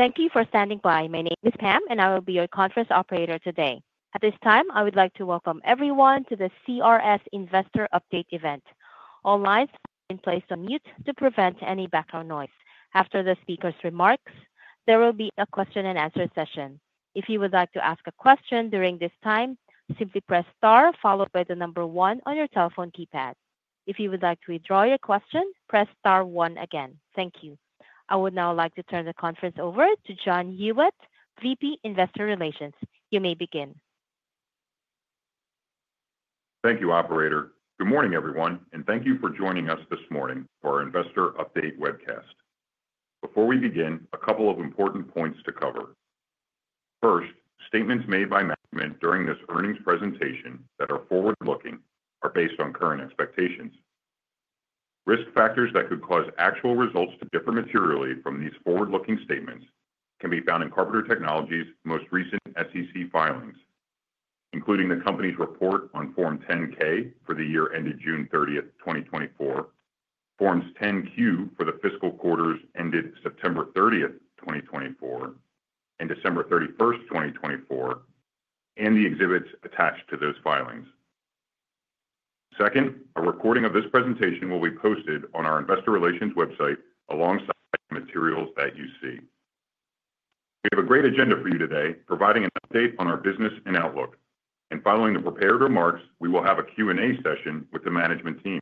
Thank you for standing by. My name is Pam, and I will be your conference operator today. At this time, I would like to welcome everyone to the CRS Investor Update event. All lines have been placed on mute to prevent any background noise. After the speaker's remarks, there will be a question-and-answer session. If you would like to ask a question during this time, simply press star followed by the number one on your telephone keypad. If you would like to withdraw your question, press star one again. Thank you. I would now like to turn the conference over to John Huyette, VP Investor Relations. You may begin. Thank you, Operator. Good morning, everyone, and thank you for joining us this morning for our Investor Update webcast. Before we begin, a couple of important points to cover. First, statements made by management during this earnings presentation that are forward-looking are based on current expectations. Risk factors that could cause actual results to differ materially from these forward-looking statements can be found in Carpenter Technology's most recent SEC filings, including the company's report on Form 10-K for the year ended June 30th, 2024, Forms 10-Q for the fiscal quarters ended September 30th, 2024, and December 31st, 2024, and the exhibits attached to those filings. Second, a recording of this presentation will be posted on our Investor Relations website alongside the materials that you see. We have a great agenda for you today, providing an update on our business and outlook. And following the prepared remarks, we will have a Q&A session with the management team.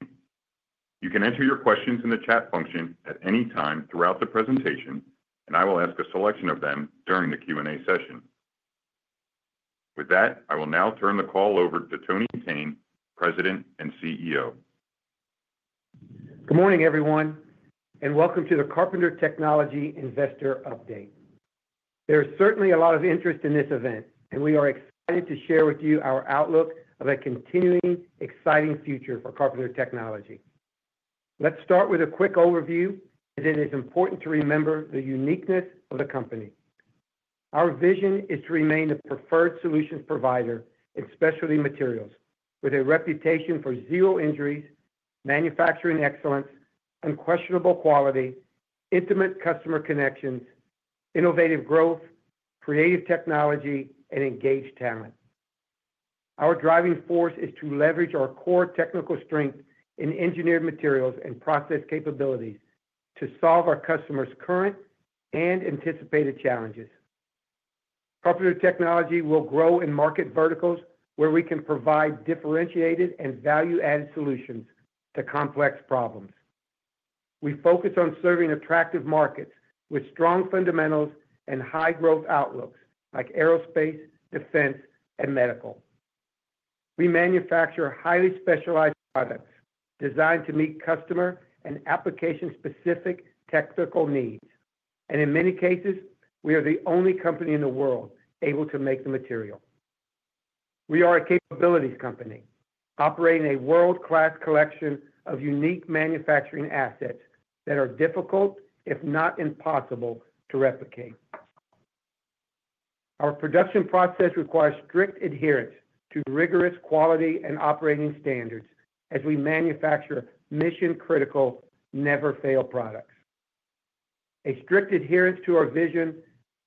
You can enter your questions in the chat function at any time throughout the presentation, and I will ask a selection of them during the Q&A session. With that, I will now turn the call over to Tony Thene, President and CEO. Good morning, everyone, and welcome to the Carpenter Technology Investor Update. There is certainly a lot of interest in this event, and we are excited to share with you our outlook of a continuing exciting future for Carpenter Technology. Let's start with a quick overview, as it is important to remember the uniqueness of the company. Our vision is to remain the preferred solutions provider in specialty materials, with a reputation for zero injuries, manufacturing excellence, unquestionable quality, intimate customer connections, innovative growth, creative technology, and engaged talent. Our driving force is to leverage our core technical strength in engineered materials and process capabilities to solve our customers' current and anticipated challenges. Carpenter Technology will grow in market verticals where we can provide differentiated and value-added solutions to complex problems. We focus on serving attractive markets with strong fundamentals and high-growth outlooks like aerospace, defense, and medical. We manufacture highly specialized products designed to meet customer and application-specific technical needs, and in many cases, we are the only company in the world able to make the material. We are a capabilities company operating a world-class collection of unique manufacturing assets that are difficult, if not impossible, to replicate. Our production process requires strict adherence to rigorous quality and operating standards as we manufacture mission-critical, never-fail products. A strict adherence to our vision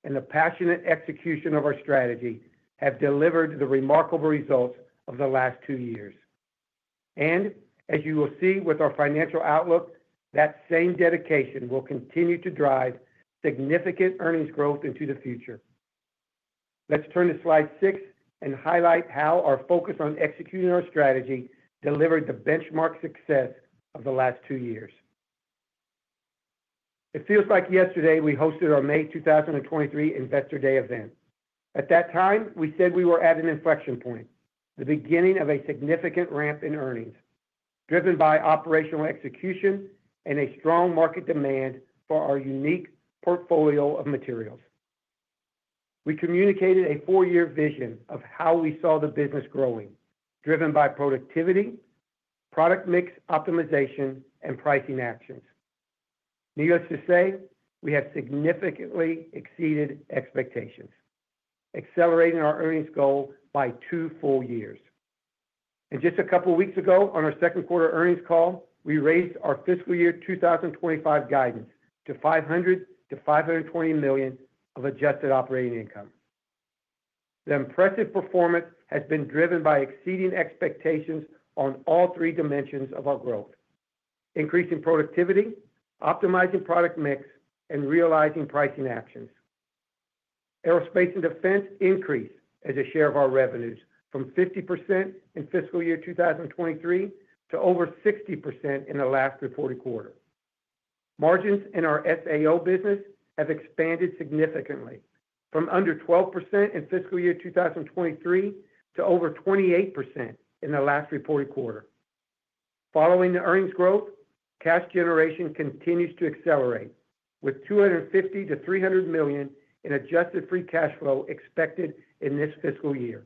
and the passionate execution of our strategy have delivered the remarkable results of the last two years. And as you will see with our financial outlook, that same dedication will continue to drive significant earnings growth into the future. Let's turn to slide six and highlight how our focus on executing our strategy delivered the benchmark success of the last two years. It feels like yesterday we hosted our May 2023 Investor Day event. At that time, we said we were at an inflection point, the beginning of a significant ramp in earnings driven by operational execution and a strong market demand for our unique portfolio of materials. We communicated a four-year vision of how we saw the business growing, driven by productivity, product mix optimization, and pricing actions. Needless to say, we have significantly exceeded expectations, accelerating our earnings goal by two full years. And just a couple of weeks ago, on our second quarter earnings call, we raised our fiscal year 2025 guidance to $500 million to $520 million of adjusted operating income. The impressive performance has been driven by exceeding expectations on all three dimensions of our growth: increasing productivity, optimizing product mix, and realizing pricing actions. Aerospace and defense increased as a share of our revenues from 50% in fiscal year 2023 to over 60% in the last reported quarter. Margins in our SAO business have expanded significantly, from under 12% in fiscal year 2023 to over 28% in the last reported quarter. Following the earnings growth, cash generation continues to accelerate, with $250 million-$300 million in adjusted free cash flow expected in this fiscal year.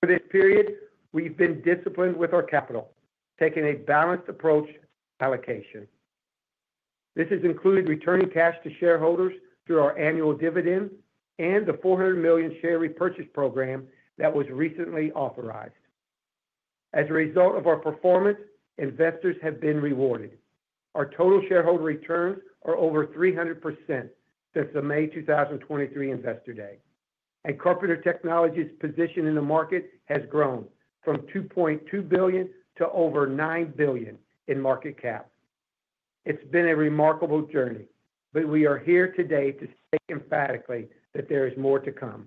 For this period, we've been disciplined with our capital, taking a balanced approach to allocation. This has included returning cash to shareholders through our annual dividend and the $400 million share repurchase program that was recently authorized. As a result of our performance, investors have been rewarded. Our total shareholder returns are over 300% since the May 2023 Investor Day, and Carpenter Technology's position in the market has grown from $2.2 billion to over $9 billion in market cap. It's been a remarkable journey, but we are here today to say emphatically that there is more to come.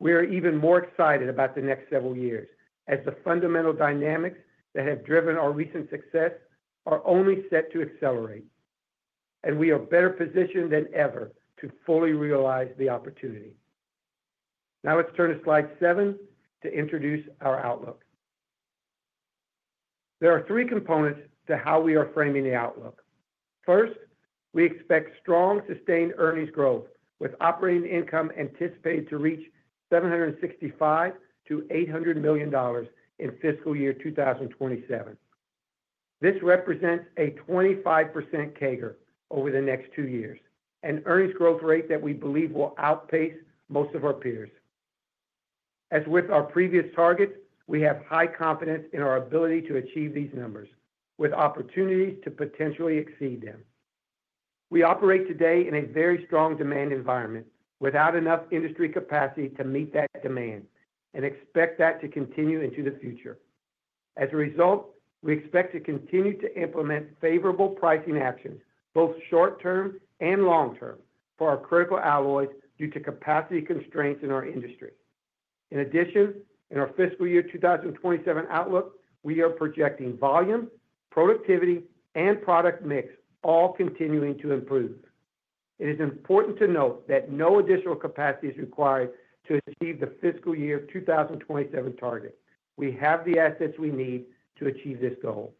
We are even more excited about the next several years as the fundamental dynamics that have driven our recent success are only set to accelerate, and we are better positioned than ever to fully realize the opportunity. Now let's turn to slide seven to introduce our outlook. There are three components to how we are framing the outlook. First, we expect strong, sustained earnings growth, with operating income anticipated to reach $765 million-$800 million in fiscal year 2027. This represents a 25% CAGR over the next two years, an earnings growth rate that we believe will outpace most of our peers. As with our previous targets, we have high confidence in our ability to achieve these numbers, with opportunities to potentially exceed them. We operate today in a very strong demand environment without enough industry capacity to meet that demand and expect that to continue into the future. As a result, we expect to continue to implement favorable pricing actions, both short-term and long-term, for our critical alloys due to capacity constraints in our industry. In addition, in our fiscal year 2027 outlook, we are projecting volume, productivity, and product mix all continuing to improve. It is important to note that no additional capacity is required to achieve the fiscal year 2027 target. We have the assets we need to achieve this goal.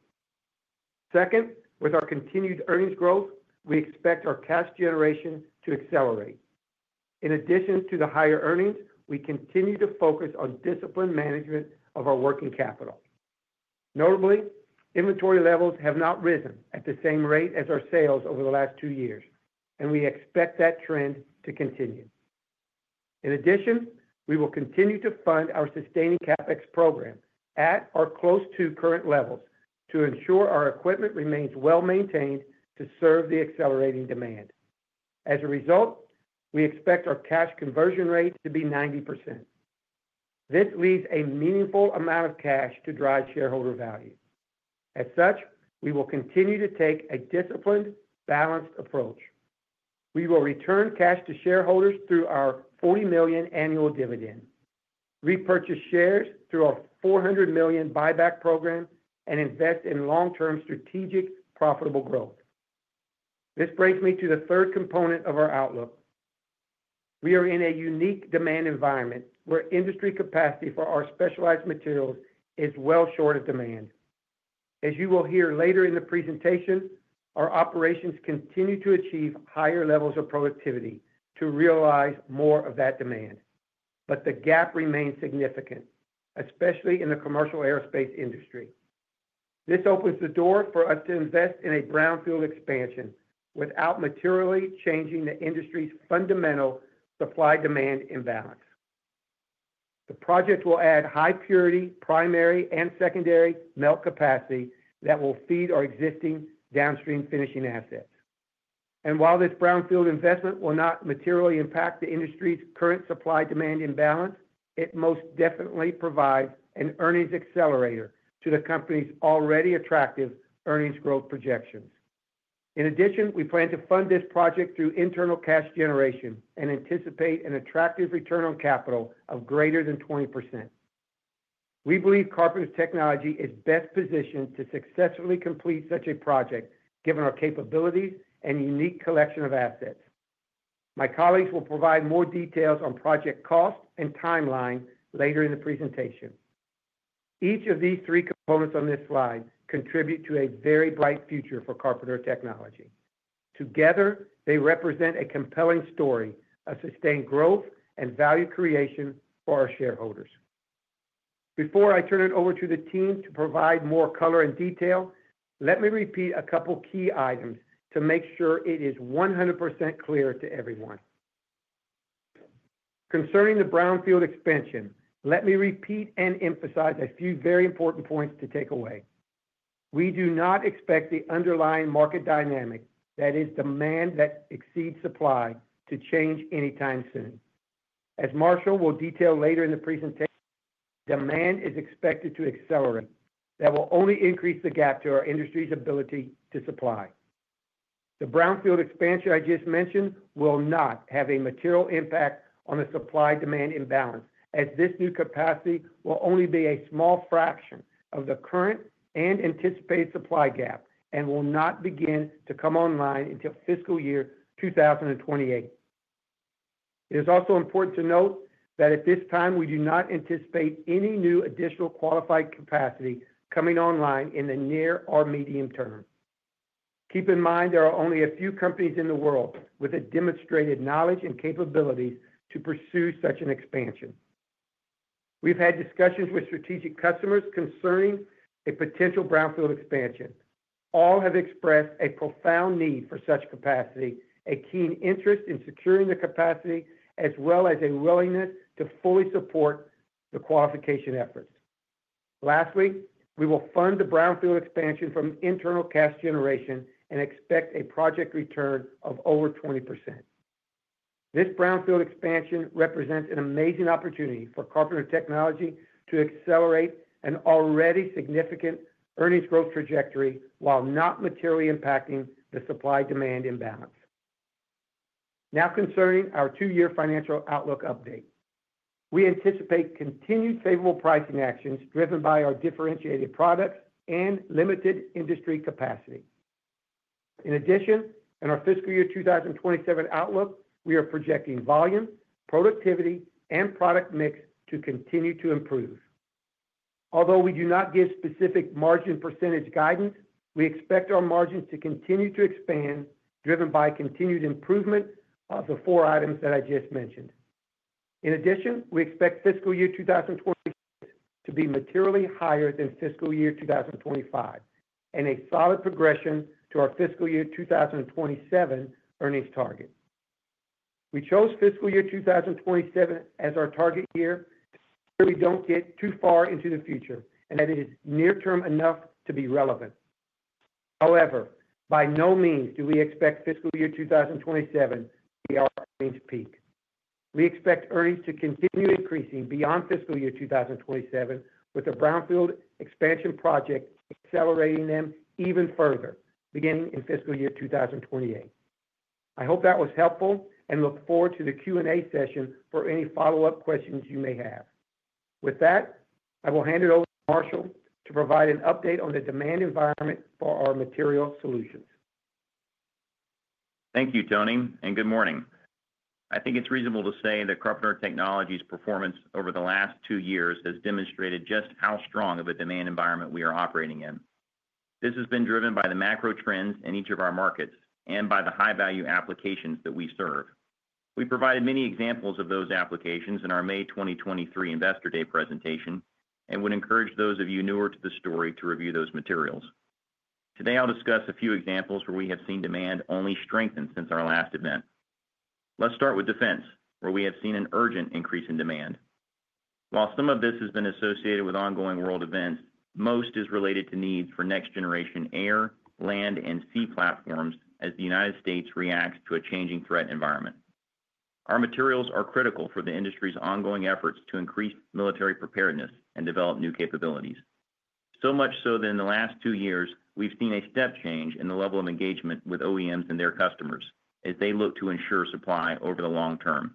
Second, with our continued earnings growth, we expect our cash generation to accelerate. In addition to the higher earnings, we continue to focus on disciplined management of our working capital. Notably, inventory levels have not risen at the same rate as our sales over the last two years, and we expect that trend to continue. In addition, we will continue to fund our sustaining CapEx program at or close to current levels to ensure our equipment remains well maintained to serve the accelerating demand. As a result, we expect our cash conversion rate to be 90%. This leaves a meaningful amount of cash to drive shareholder value. As such, we will continue to take a disciplined, balanced approach. We will return cash to shareholders through our $40 million annual dividend, repurchase shares through our $400 million buyback program, and invest in long-term strategic profitable growth. This brings me to the third component of our outlook. We are in a unique demand environment where industry capacity for our specialized materials is well short of demand. As you will hear later in the presentation, our operations continue to achieve higher levels of productivity to realize more of that demand, but the gap remains significant, especially in the commercial aerospace industry. This opens the door for us to invest in a brownfield expansion without materially changing the industry's fundamental supply-demand imbalance. The project will add high-purity primary and secondary melt capacity that will feed our existing downstream finishing assets. And while this brownfield investment will not materially impact the industry's current supply-demand imbalance, it most definitely provides an earnings accelerator to the company's already attractive earnings growth projections. In addition, we plan to fund this project through internal cash generation and anticipate an attractive return on capital of greater than 20%. We believe Carpenter Technology is best positioned to successfully complete such a project, given our capabilities and unique collection of assets. My colleagues will provide more details on project cost and timeline later in the presentation. Each of these three components on this slide contribute to a very bright future for Carpenter Technology. Together, they represent a compelling story of sustained growth and value creation for our shareholders. Before I turn it over to the team to provide more color and detail, let me repeat a couple of key items to make sure it is 100% clear to everyone. Concerning the brownfield expansion, let me repeat and emphasize a few very important points to take away. We do not expect the underlying market dynamic, that is, demand that exceeds supply, to change anytime soon. As Marshall will detail later in the presentation, demand is expected to accelerate. That will only increase the gap to our industry's ability to supply. The brownfield expansion I just mentioned will not have a material impact on the supply-demand imbalance, as this new capacity will only be a small fraction of the current and anticipated supply gap and will not begin to come online until fiscal year 2028. It is also important to note that at this time, we do not anticipate any new additional qualified capacity coming online in the near or medium term. Keep in mind there are only a few companies in the world with the demonstrated knowledge and capabilities to pursue such an expansion. We've had discussions with strategic customers concerning a potential brownfield expansion. All have expressed a profound need for such capacity, a keen interest in securing the capacity, as well as a willingness to fully support the qualification efforts. Lastly, we will fund the brownfield expansion from internal cash generation and expect a project return of over 20%. This brownfield expansion represents an amazing opportunity for Carpenter Technology to accelerate an already significant earnings growth trajectory while not materially impacting the supply-demand imbalance. Now concerning our two-year financial outlook update, we anticipate continued favorable pricing actions driven by our differentiated products and limited industry capacity. In addition, in our fiscal year 2027 outlook, we are projecting volume, productivity, and product mix to continue to improve. Although we do not give specific margin percentage guidance, we expect our margins to continue to expand, driven by continued improvement of the four items that I just mentioned. In addition, we expect fiscal year 2026 to be materially higher than fiscal year 2025 and a solid progression to our fiscal year 2027 earnings target. We chose fiscal year 2027 as our target year so we don't get too far into the future and that it is near-term enough to be relevant. However, by no means do we expect fiscal year 2027 to be our earnings peak. We expect earnings to continue increasing beyond fiscal year 2027, with the brownfield expansion project accelerating them even further beginning in fiscal year 2028. I hope that was helpful and look forward to the Q&A session for any follow-up questions you may have. With that, I will hand it over to Marshall to provide an update on the demand environment for our material solutions. Thank you, Tony, and good morning. I think it's reasonable to say that Carpenter Technology's performance over the last two years has demonstrated just how strong of a demand environment we are operating in. This has been driven by the macro trends in each of our markets and by the high-value applications that we serve. We provided many examples of those applications in our May 2023 Investor Day presentation and would encourage those of you newer to the story to review those materials. Today, I'll discuss a few examples where we have seen demand only strengthen since our last event. Let's start with defense, where we have seen an urgent increase in demand. While some of this has been associated with ongoing world events, most is related to needs for next-generation air, land, and sea platforms as the United States reacts to a changing threat environment. Our materials are critical for the industry's ongoing efforts to increase military preparedness and develop new capabilities. So much so that in the last two years, we've seen a step change in the level of engagement with OEMs and their customers as they look to ensure supply over the long term.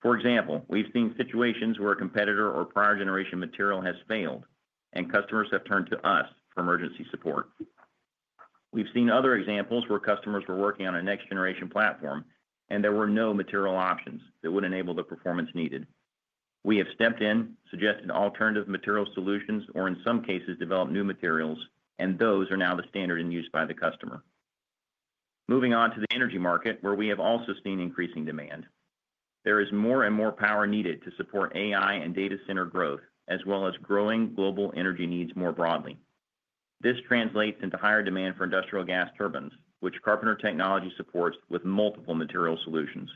For example, we've seen situations where a competitor or prior generation material has failed and customers have turned to us for emergency support. We've seen other examples where customers were working on a next-generation platform and there were no material options that would enable the performance needed. We have stepped in, suggested alternative material solutions, or in some cases, developed new materials, and those are now the standard and used by the customer. Moving on to the energy market, where we have also seen increasing demand. There is more and more power needed to support AI and data center growth, as well as growing global energy needs more broadly. This translates into higher demand for industrial gas turbines, which Carpenter Technology supports with multiple material solutions,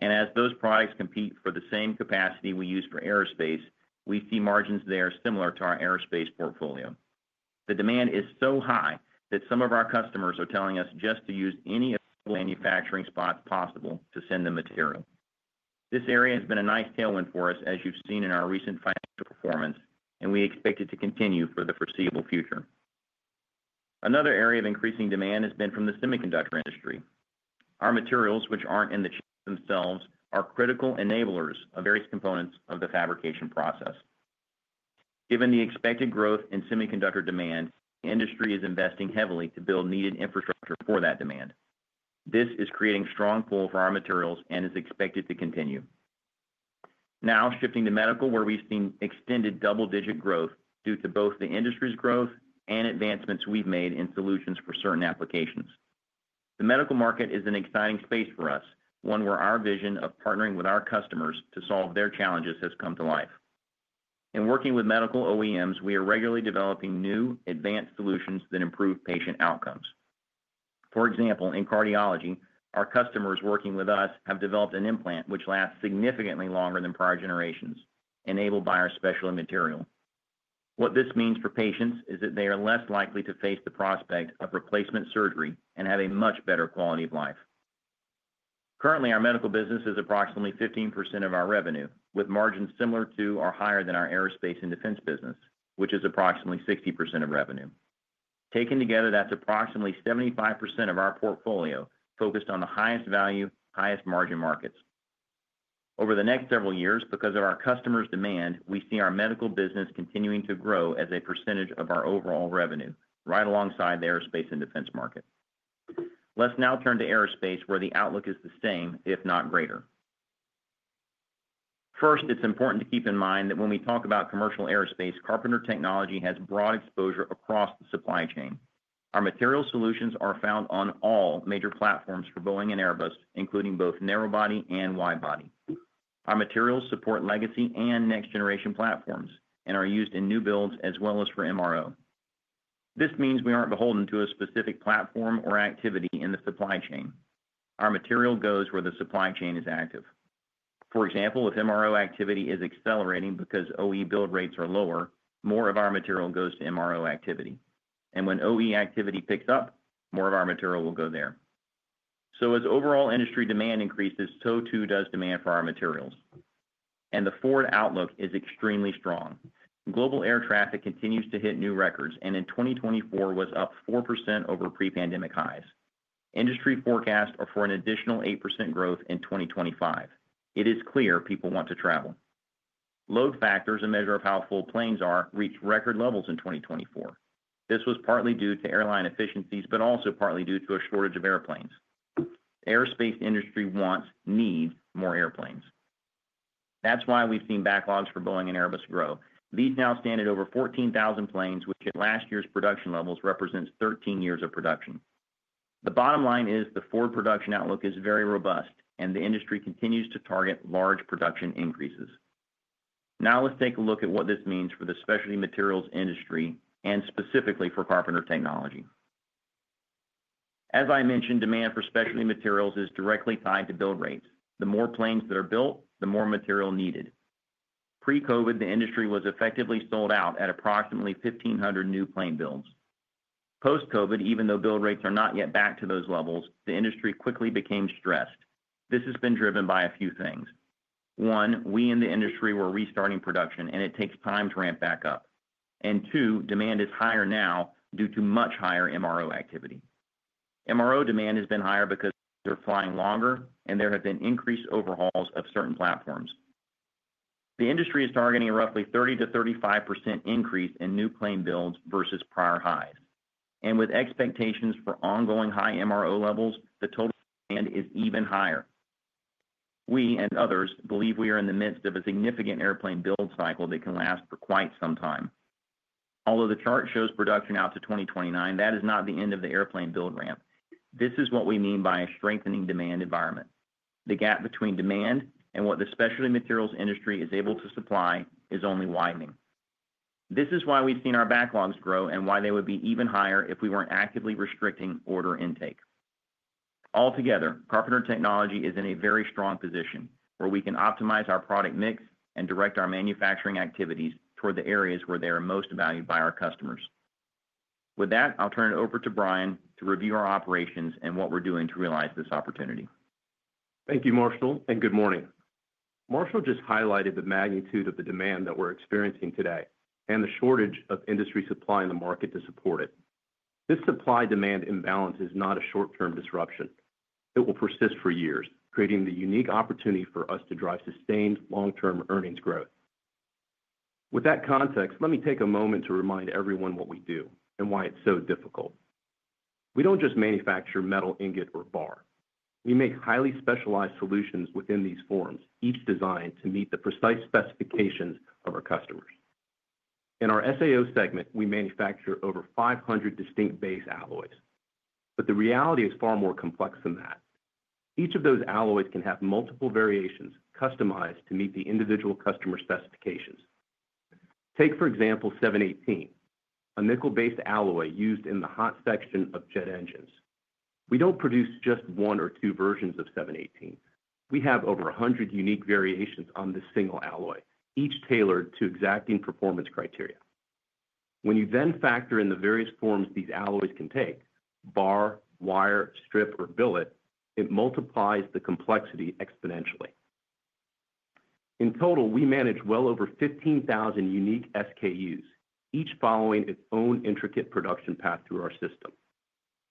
and as those products compete for the same capacity we use for aerospace, we see margins there similar to our aerospace portfolio. The demand is so high that some of our customers are telling us just to use any available manufacturing spots possible to send the material. This area has been a nice tailwind for us, as you've seen in our recent financial performance, and we expect it to continue for the foreseeable future. Another area of increasing demand has been from the semiconductor industry. Our materials, which aren't in the chips themselves, are critical enablers of various components of the fabrication process. Given the expected growth in semiconductor demand, the industry is investing heavily to build needed infrastructure for that demand. This is creating strong pull for our materials and is expected to continue. Now shifting to medical, where we've seen extended double-digit growth due to both the industry's growth and advancements we've made in solutions for certain applications. The medical market is an exciting space for us, one where our vision of partnering with our customers to solve their challenges has come to life. In working with medical OEMs, we are regularly developing new advanced solutions that improve patient outcomes. For example, in cardiology, our customers working with us have developed an implant which lasts significantly longer than prior generations, enabled by our specialty material. What this means for patients is that they are less likely to face the prospect of replacement surgery and have a much better quality of life. Currently, our medical business is approximately 15% of our revenue, with margins similar to or higher than our aerospace and defense business, which is approximately 60% of revenue. Taken together, that's approximately 75% of our portfolio focused on the highest value, highest margin markets. Over the next several years, because of our customers' demand, we see our medical business continuing to grow as a percentage of our overall revenue, right alongside the aerospace and defense market. Let's now turn to aerospace, where the outlook is the same, if not greater. First, it's important to keep in mind that when we talk about commercial aerospace, Carpenter Technology has broad exposure across the supply chain. Our material solutions are found on all major platforms for Boeing and Airbus, including both narrowbody and widebody. Our materials support legacy and next-generation platforms and are used in new builds as well as for MRO. This means we aren't beholden to a specific platform or activity in the supply chain. Our material goes where the supply chain is active. For example, if MRO activity is accelerating because OE build rates are lower, more of our material goes to MRO activity. And when OE activity picks up, more of our material will go there. So as overall industry demand increases, so too does demand for our materials. And the forward outlook is extremely strong. Global air traffic continues to hit new records and in 2024 was up 4% over pre-pandemic highs. Industry forecasts are for an additional 8% growth in 2025. It is clear people want to travel. Load factors, a measure of how full planes are, reached record levels in 2024. This was partly due to airline efficiencies, but also partly due to a shortage of airplanes. The aerospace industry wants, needs more airplanes. That's why we've seen backlogs for Boeing and Airbus grow. These now stand at over 14,000 planes, which at last year's production levels represents 13 years of production. The bottom line is the forward production outlook is very robust, and the industry continues to target large production increases. Now let's take a look at what this means for the specialty materials industry and specifically for Carpenter Technology. As I mentioned, demand for specialty materials is directly tied to build rates. The more planes that are built, the more material needed. Pre-COVID, the industry was effectively sold out at approximately 1,500 new plane builds. Post-COVID, even though build rates are not yet back to those levels, the industry quickly became stressed. This has been driven by a few things. One, we in the industry were restarting production, and it takes time to ramp back up. And two, demand is higher now due to much higher MRO activity. MRO demand has been higher because they're flying longer, and there have been increased overhauls of certain platforms. The industry is targeting a roughly 30%-35% increase in new plane builds versus prior highs. And with expectations for ongoing high MRO levels, the total demand is even higher. We and others believe we are in the midst of a significant airplane build cycle that can last for quite some time. Although the chart shows production out to 2029, that is not the end of the airplane build ramp. This is what we mean by a strengthening demand environment. The gap between demand and what the specialty materials industry is able to supply is only widening. This is why we've seen our backlogs grow and why they would be even higher if we weren't actively restricting order intake. Altogether, Carpenter Technology is in a very strong position where we can optimize our product mix and direct our manufacturing activities toward the areas where they are most valued by our customers. With that, I'll turn it over to Brian to review our operations and what we're doing to realize this opportunity. Thank you, Marshall, and good morning. Marshall just highlighted the magnitude of the demand that we're experiencing today and the shortage of industry supply in the market to support it. This supply-demand imbalance is not a short-term disruption. It will persist for years, creating the unique opportunity for us to drive sustained long-term earnings growth. With that context, let me take a moment to remind everyone what we do and why it's so difficult. We don't just manufacture metal, ingot, or bar. We make highly specialized solutions within these forms, each designed to meet the precise specifications of our customers. In our SAO segment, we manufacture over 500 distinct base alloys. But the reality is far more complex than that. Each of those alloys can have multiple variations customized to meet the individual customer specifications. Take, for example, 718, a nickel-based alloy used in the hot section of jet engines. We don't produce just one or two versions of 718. We have over 100 unique variations on this single alloy, each tailored to exacting performance criteria. When you then factor in the various forms these alloys can take, bar, wire, strip, or billet, it multiplies the complexity exponentially. In total, we manage well over 15,000 unique SKUs, each following its own intricate production path through our system.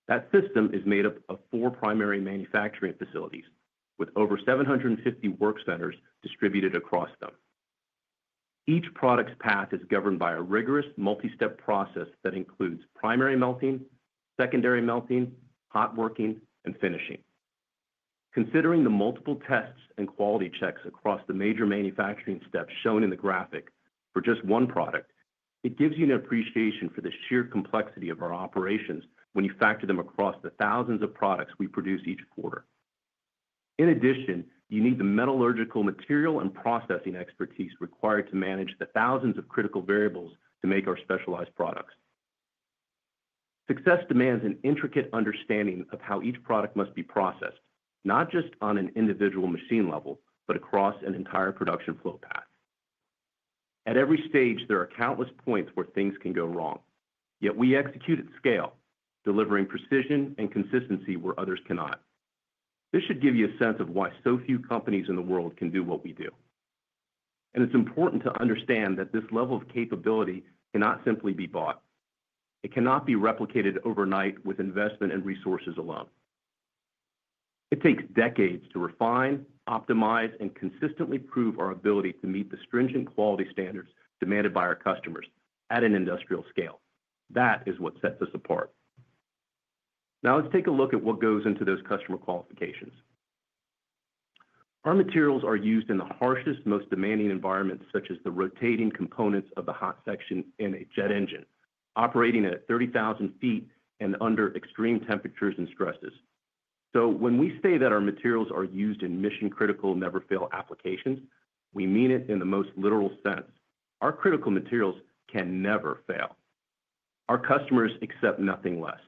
That system is made up of four primary manufacturing facilities with over 750 work centers distributed across them. Each product's path is governed by a rigorous multi-step process that includes primary melting, secondary melting, hot working, and finishing. Considering the multiple tests and quality checks across the major manufacturing steps shown in the graphic for just one product, it gives you an appreciation for the sheer complexity of our operations when you factor them across the thousands of products we produce each quarter. In addition, you need the metallurgical material and processing expertise required to manage the thousands of critical variables to make our specialized products. Success demands an intricate understanding of how each product must be processed, not just on an individual machine level, but across an entire production flow path. At every stage, there are countless points where things can go wrong. Yet we execute at scale, delivering precision and consistency where others cannot. This should give you a sense of why so few companies in the world can do what we do, and it's important to understand that this level of capability cannot simply be bought. It cannot be replicated overnight with investment and resources alone. It takes decades to refine, optimize, and consistently prove our ability to meet the stringent quality standards demanded by our customers at an industrial scale. That is what sets us apart. Now let's take a look at what goes into those customer qualifications. Our materials are used in the harshest, most demanding environments, such as the rotating components of the hot section in a jet engine, operating at 30,000 ft and under extreme temperatures and stresses. When we say that our materials are used in mission-critical, never-fail applications, we mean it in the most literal sense. Our critical materials can never fail. Our customers accept nothing less.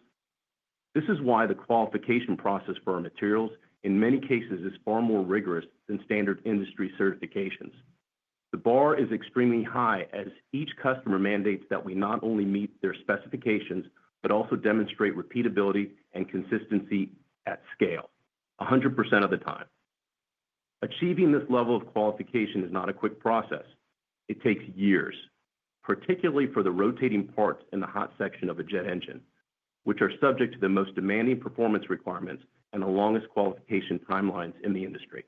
This is why the qualification process for our materials, in many cases, is far more rigorous than standard industry certifications. The bar is extremely high as each customer mandates that we not only meet their specifications, but also demonstrate repeatability and consistency at scale, 100% of the time. Achieving this level of qualification is not a quick process. It takes years, particularly for the rotating parts in the hot section of a jet engine, which are subject to the most demanding performance requirements and the longest qualification timelines in the industry,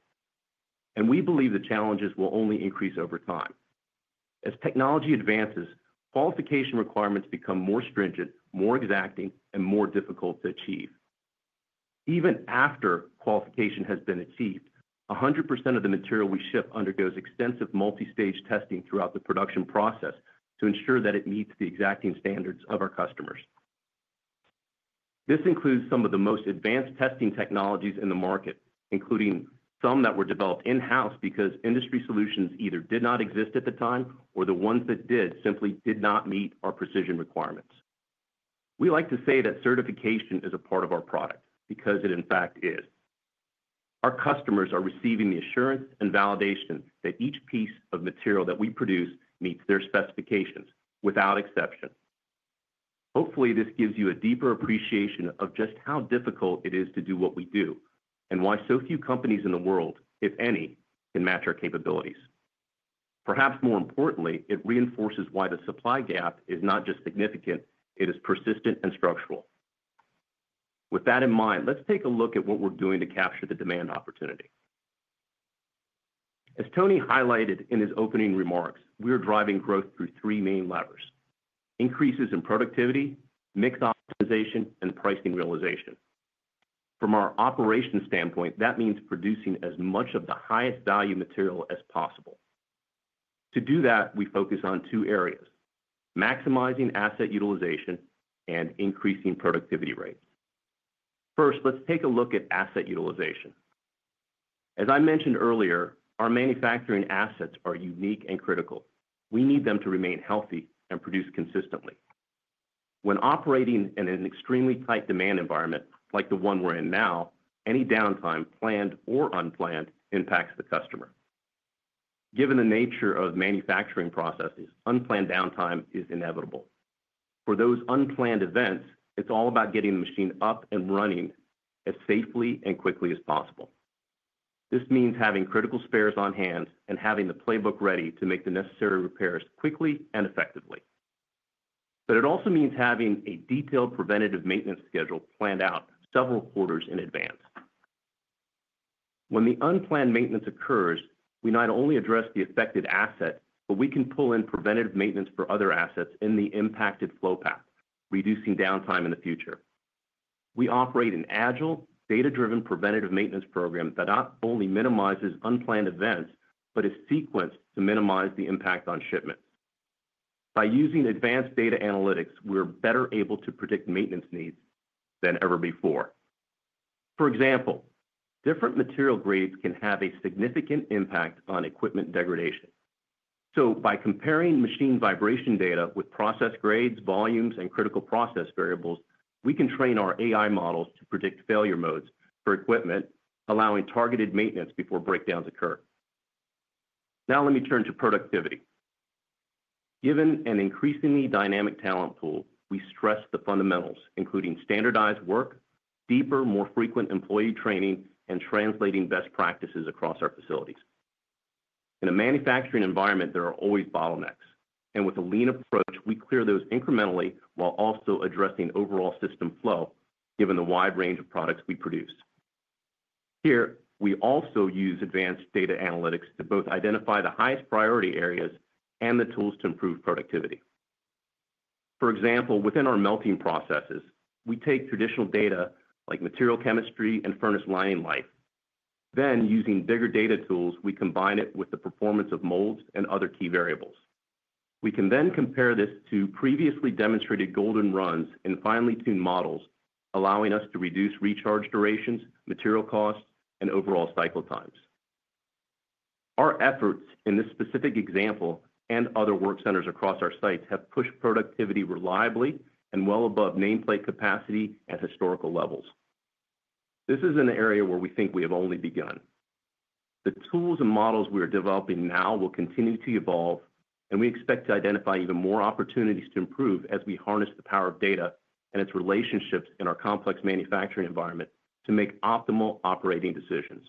and we believe the challenges will only increase over time. As technology advances, qualification requirements become more stringent, more exacting, and more difficult to achieve. Even after qualification has been achieved, 100% of the material we ship undergoes extensive multi-stage testing throughout the production process to ensure that it meets the exacting standards of our customers. This includes some of the most advanced testing technologies in the market, including some that were developed in-house because industry solutions either did not exist at the time or the ones that did simply did not meet our precision requirements. We like to say that certification is a part of our product because it, in fact, is. Our customers are receiving the assurance and validation that each piece of material that we produce meets their specifications without exception. Hopefully, this gives you a deeper appreciation of just how difficult it is to do what we do and why so few companies in the world, if any, can match our capabilities. Perhaps more importantly, it reinforces why the supply gap is not just significant. It is persistent and structural. With that in mind, let's take a look at what we're doing to capture the demand opportunity. As Tony highlighted in his opening remarks, we are driving growth through three main levers: increases in productivity, mix optimization, and pricing realization. From our operations standpoint, that means producing as much of the highest value material as possible. To do that, we focus on two areas: maximizing asset utilization and increasing productivity rates. First, let's take a look at asset utilization. As I mentioned earlier, our manufacturing assets are unique and critical. We need them to remain healthy and produce consistently. When operating in an extremely tight demand environment like the one we're in now, any downtime, planned or unplanned, impacts the customer. Given the nature of manufacturing processes, unplanned downtime is inevitable. For those unplanned events, it's all about getting the machine up and running as safely and quickly as possible. This means having critical spares on hand and having the playbook ready to make the necessary repairs quickly and effectively. But it also means having a detailed preventative maintenance schedule planned out several quarters in advance. When the unplanned maintenance occurs, we not only address the affected asset, but we can pull in preventative maintenance for other assets in the impacted flow path, reducing downtime in the future. We operate an agile, data-driven preventative maintenance program that not only minimizes unplanned events, but is sequenced to minimize the impact on shipments. By using advanced data analytics, we're better able to predict maintenance needs than ever before. For example, different material grades can have a significant impact on equipment degradation. So by comparing machine vibration data with process grades, volumes, and critical process variables, we can train our AI models to predict failure modes for equipment, allowing targeted maintenance before breakdowns occur. Now let me turn to productivity. Given an increasingly dynamic talent pool, we stress the fundamentals, including standardized work, deeper, more frequent employee training, and translating best practices across our facilities. In a manufacturing environment, there are always bottlenecks. And with a lean approach, we clear those incrementally while also addressing overall system flow, given the wide range of products we produce. Here, we also use advanced data analytics to both identify the highest priority areas and the tools to improve productivity. For example, within our melting processes, we take traditional data like material chemistry and furnace lining life. Then, using bigger data tools, we combine it with the performance of molds and other key variables. We can then compare this to previously demonstrated golden runs in finely tuned models, allowing us to reduce recharge durations, material costs, and overall cycle times. Our efforts in this specific example and other work centers across our sites have pushed productivity reliably and well above nameplate capacity at historical levels. This is an area where we think we have only begun. The tools and models we are developing now will continue to evolve, and we expect to identify even more opportunities to improve as we harness the power of data and its relationships in our complex manufacturing environment to make optimal operating decisions.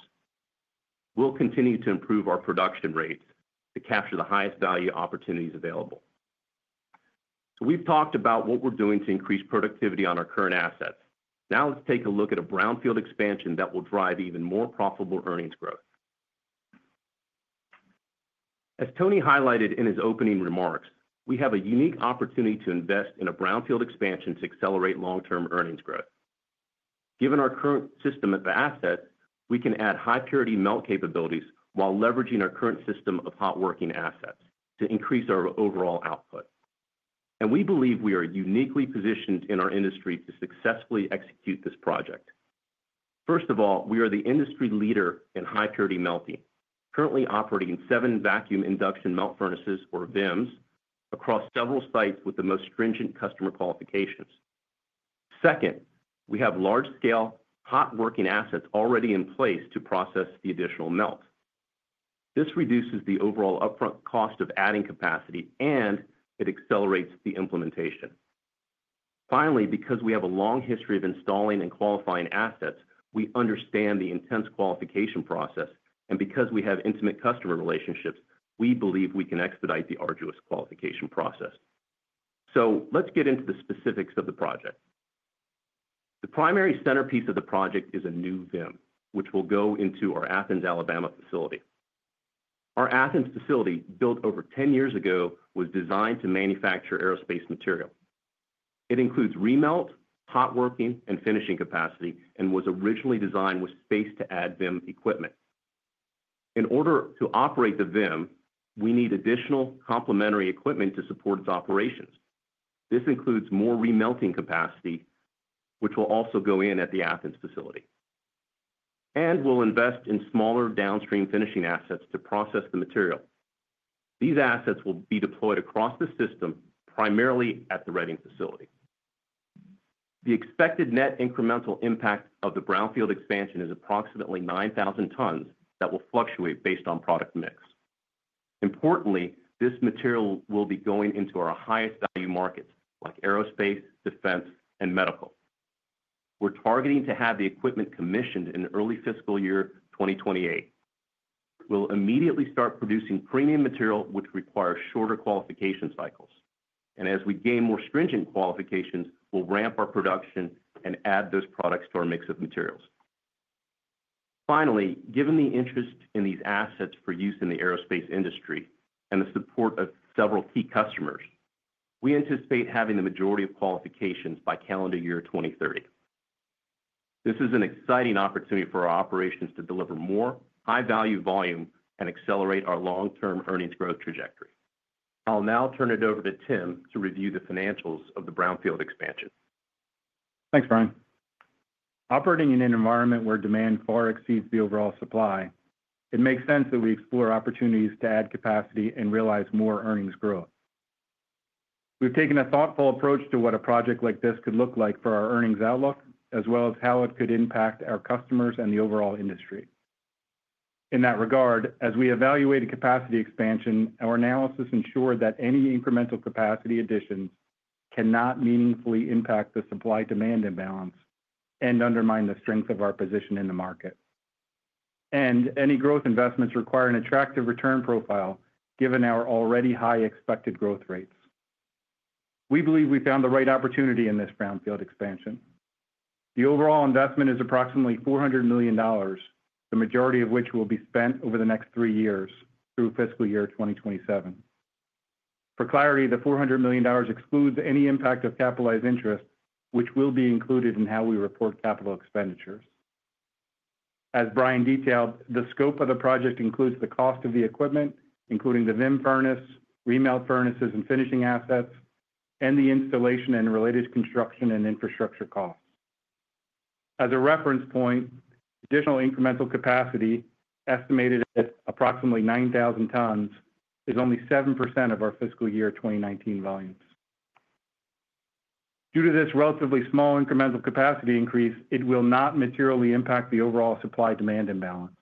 We'll continue to improve our production rates to capture the highest value opportunities available. So we've talked about what we're doing to increase productivity on our current assets. Now let's take a look at a brownfield expansion that will drive even more profitable earnings growth. As Tony highlighted in his opening remarks, we have a unique opportunity to invest in a brownfield expansion to accelerate long-term earnings growth. Given our current system of assets, we can add high-purity melt capabilities while leveraging our current system of hot working assets to increase our overall output. We believe we are uniquely positioned in our industry to successfully execute this project. First of all, we are the industry leader in high-purity melting, currently operating seven vacuum induction melting furnaces, or VIMs, across several sites with the most stringent customer qualifications. Second, we have large-scale hot working assets already in place to process the additional melt. This reduces the overall upfront cost of adding capacity, and it accelerates the implementation. Finally, because we have a long history of installing and qualifying assets, we understand the intense qualification process. Because we have intimate customer relationships, we believe we can expedite the arduous qualification process. Let's get into the specifics of the project. The primary centerpiece of the project is a new VIM, which will go into our Athens, Alabama facility. Our Athens facility, built over 10 years ago, was designed to manufacture aerospace material. It includes remelt, hot working, and finishing capacity, and was originally designed with space to add VIM equipment. In order to operate the VIM, we need additional complementary equipment to support its operations. This includes more remelting capacity, which will also go in at the Athens facility, and we'll invest in smaller downstream finishing assets to process the material. These assets will be deployed across the system, primarily at the Reading facility. The expected net incremental impact of the brownfield expansion is approximately 9,000 tons that will fluctuate based on product mix. Importantly, this material will be going into our highest value markets, like aerospace, defense, and medical. We're targeting to have the equipment commissioned in early fiscal year 2028. We'll immediately start producing premium material, which requires shorter qualification cycles. And as we gain more stringent qualifications, we'll ramp our production and add those products to our mix of materials. Finally, given the interest in these assets for use in the aerospace industry and the support of several key customers, we anticipate having the majority of qualifications by calendar year 2030. This is an exciting opportunity for our operations to deliver more high-value volume and accelerate our long-term earnings growth trajectory. I'll now turn it over to Tim to review the financials of the brownfield expansion. Thanks, Brian. Operating in an environment where demand far exceeds the overall supply, it makes sense that we explore opportunities to add capacity and realize more earnings growth. We've taken a thoughtful approach to what a project like this could look like for our earnings outlook, as well as how it could impact our customers and the overall industry. In that regard, as we evaluated capacity expansion, our analysis ensured that any incremental capacity additions cannot meaningfully impact the supply-demand imbalance and undermine the strength of our position in the market, and any growth investments require an attractive return profile, given our already high expected growth rates. We believe we found the right opportunity in this brownfield expansion. The overall investment is approximately $400 million, the majority of which will be spent over the next three years through fiscal year 2027. For clarity, the $400 million excludes any impact of capitalized interest, which will be included in how we report capital expenditures. As Brian detailed, the scope of the project includes the cost of the equipment, including the VIM furnace, remelt furnaces, and finishing assets, and the installation and related construction and infrastructure costs. As a reference point, additional incremental capacity estimated at approximately 9,000 tons is only 7% of our fiscal year 2019 volumes. Due to this relatively small incremental capacity increase, it will not materially impact the overall supply-demand imbalance.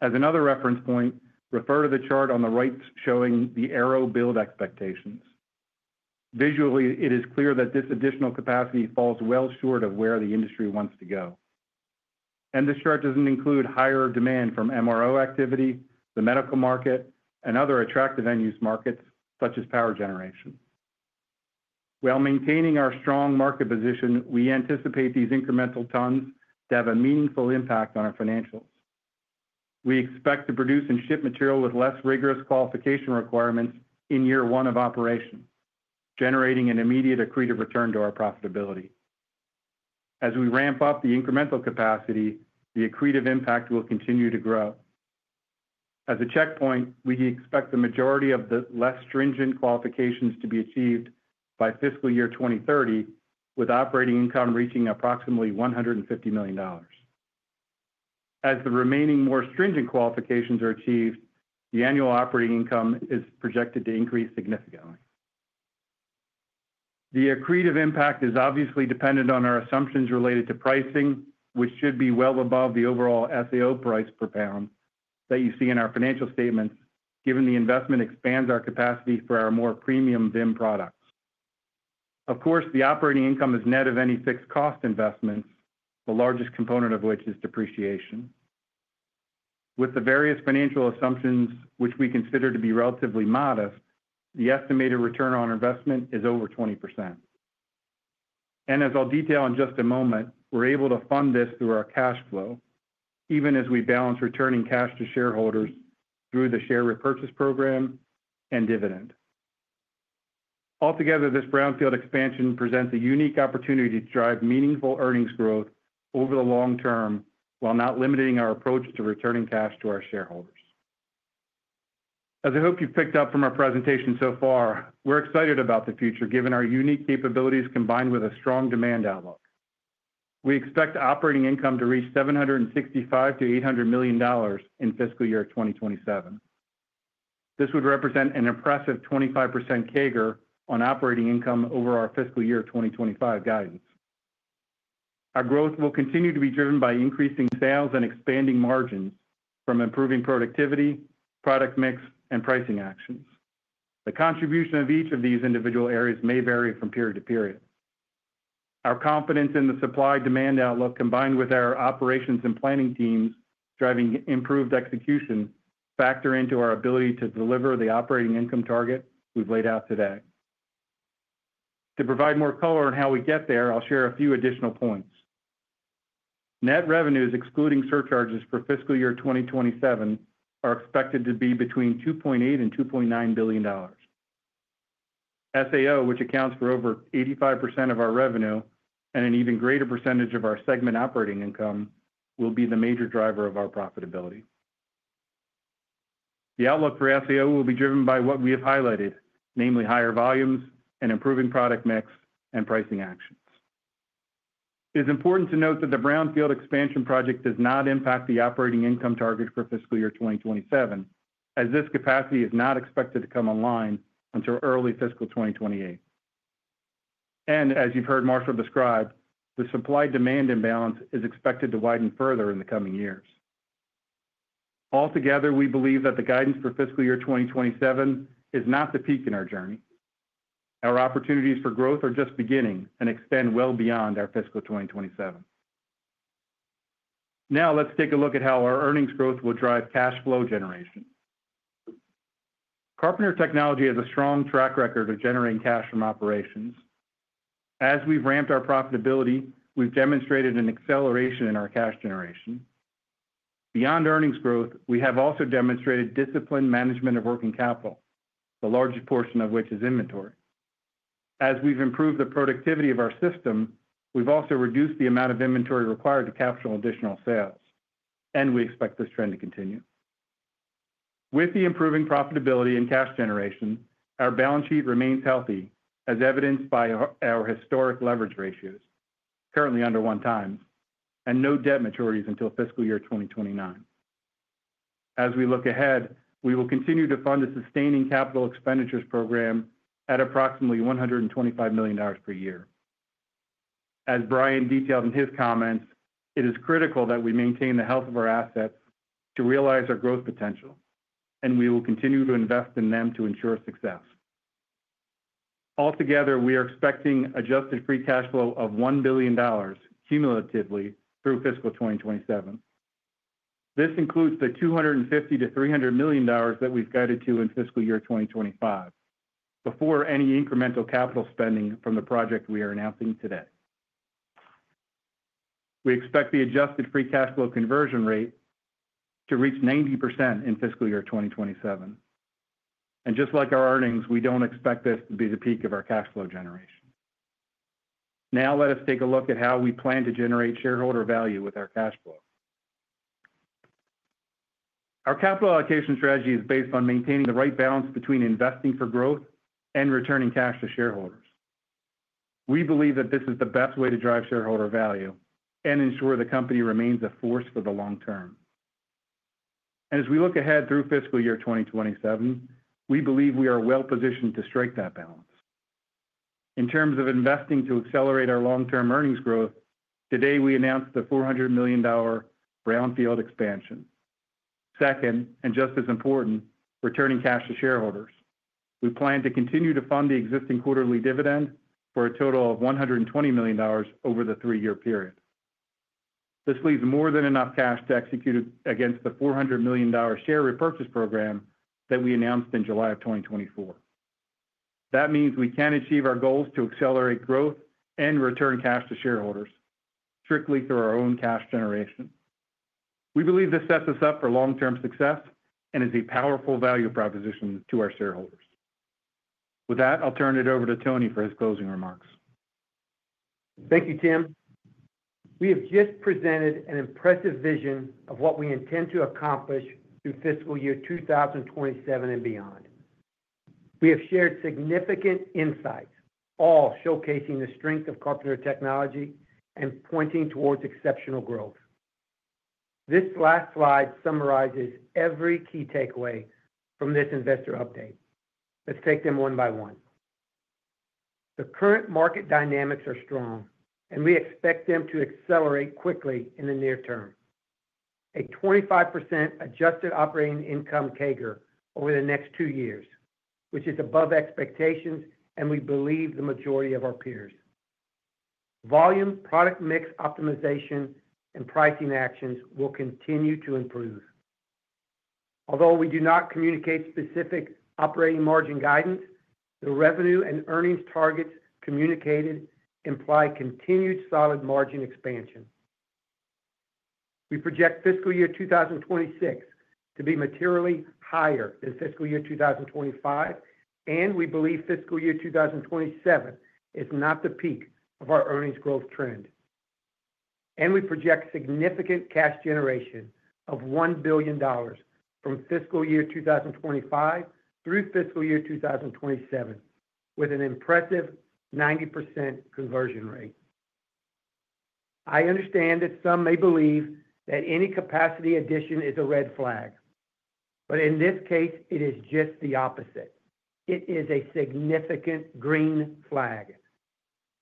As another reference point, refer to the chart on the right showing the Aero build expectations. Visually, it is clear that this additional capacity falls well short of where the industry wants to go. And this chart doesn't include higher demand from MRO activity, the medical market, and other attractive end-use markets, such as power generation. While maintaining our strong market position, we anticipate these incremental tons to have a meaningful impact on our financials. We expect to produce and ship material with less rigorous qualification requirements in year one of operation, generating an immediate accretive return to our profitability. As we ramp up the incremental capacity, the accretive impact will continue to grow. As a checkpoint, we expect the majority of the less stringent qualifications to be achieved by fiscal year 2030, with operating income reaching approximately $150 million. As the remaining more stringent qualifications are achieved, the annual operating income is projected to increase significantly. The accretive impact is obviously dependent on our assumptions related to pricing, which should be well above the overall SAO price per pound that you see in our financial statements, given the investment expands our capacity for our more premium VIM products. Of course, the operating income is net of any fixed cost investments, the largest component of which is depreciation. With the various financial assumptions, which we consider to be relatively modest, the estimated return on investment is over 20%. As I'll detail in just a moment, we're able to fund this through our cash flow, even as we balance returning cash to shareholders through the share repurchase program and dividend. Altogether, this brownfield expansion presents a unique opportunity to drive meaningful earnings growth over the long term while not limiting our approach to returning cash to our shareholders. As I hope you've picked up from our presentation so far, we're excited about the future, given our unique capabilities combined with a strong demand outlook. We expect operating income to reach $765 million-$800 million in fiscal year 2027. This would represent an impressive 25% CAGR on operating income over our fiscal year 2025 guidance. Our growth will continue to be driven by increasing sales and expanding margins from improving productivity, product mix, and pricing actions. The contribution of each of these individual areas may vary from period to period. Our confidence in the supply-demand outlook, combined with our operations and planning teams driving improved execution, factor into our ability to deliver the operating income target we've laid out today. To provide more color on how we get there, I'll share a few additional points. Net revenues, excluding surcharges for fiscal year 2027, are expected to be between $2.8 billion and $2.9 billion. SAO, which accounts for over 85% of our revenue and an even greater percentage of our segment operating income, will be the major driver of our profitability. The outlook for SAO will be driven by what we have highlighted, namely higher volumes and improving product mix and pricing actions. It's important to note that the brownfield expansion project does not impact the operating income target for fiscal year 2027, as this capacity is not expected to come online until early fiscal 2028. And as you've heard Marshall describe, the supply-demand imbalance is expected to widen further in the coming years. Altogether, we believe that the guidance for fiscal year 2027 is not the peak in our journey. Our opportunities for growth are just beginning and extend well beyond our fiscal 2027. Now let's take a look at how our earnings growth will drive cash flow generation. Carpenter Technology has a strong track record of generating cash from operations. As we've ramped our profitability, we've demonstrated an acceleration in our cash generation. Beyond earnings growth, we have also demonstrated disciplined management of working capital, the largest portion of which is inventory. As we've improved the productivity of our system, we've also reduced the amount of inventory required to capture additional sales. And we expect this trend to continue. With the improving profitability and cash generation, our balance sheet remains healthy, as evidenced by our historic leverage ratios, currently under one time, and no debt maturities until fiscal year 2029. As we look ahead, we will continue to fund a sustaining capital expenditures program at approximately $125 million per year. As Brian detailed in his comments, it is critical that we maintain the health of our assets to realize our growth potential, and we will continue to invest in them to ensure success. Altogether, we are expecting Adjusted Free Cash Flow of $1 billion cumulatively through fiscal 2027. This includes the $250 million-$300 million that we've guided to in fiscal year 2025, before any incremental capital spending from the project we are announcing today. We expect the adjusted free cash flow conversion rate to reach 90% in fiscal year 2027, and just like our earnings, we don't expect this to be the peak of our cash flow generation. Now let us take a look at how we plan to generate shareholder value with our cash flow. Our capital allocation strategy is based on maintaining the right balance between investing for growth and returning cash to shareholders. We believe that this is the best way to drive shareholder value and ensure the company remains a force for the long term, and as we look ahead through fiscal year 2027, we believe we are well positioned to strike that balance. In terms of investing to accelerate our long-term earnings growth, today we announced the $400 million brownfield expansion. Second, and just as important, returning cash to shareholders. We plan to continue to fund the existing quarterly dividend for a total of $120 million over the three-year period. This leaves more than enough cash to execute against the $400 million share repurchase program that we announced in July of 2024. That means we can achieve our goals to accelerate growth and return cash to shareholders strictly through our own cash generation. We believe this sets us up for long-term success and is a powerful value proposition to our shareholders. With that, I'll turn it over to Tony for his closing remarks. Thank you, Tim. We have just presented an impressive vision of what we intend to accomplish through fiscal year 2027 and beyond. We have shared significant insights, all showcasing the strength of Carpenter Technology and pointing towards exceptional growth. This last slide summarizes every key takeaway from this investor update. Let's take them one by one. The current market dynamics are strong, and we expect them to accelerate quickly in the near term. A 25% adjusted operating income CAGR over the next two years, which is above expectations, and we believe the majority of our peers. Volume, product mix optimization, and pricing actions will continue to improve. Although we do not communicate specific operating margin guidance, the revenue and earnings targets communicated imply continued solid margin expansion. We project fiscal year 2026 to be materially higher than fiscal year 2025, and we believe fiscal year 2027 is not the peak of our earnings growth trend. And we project significant cash generation of $1 billion from fiscal year 2025 through fiscal year 2027, with an impressive 90% conversion rate. I understand that some may believe that any capacity addition is a red flag, but in this case, it is just the opposite. It is a significant green flag.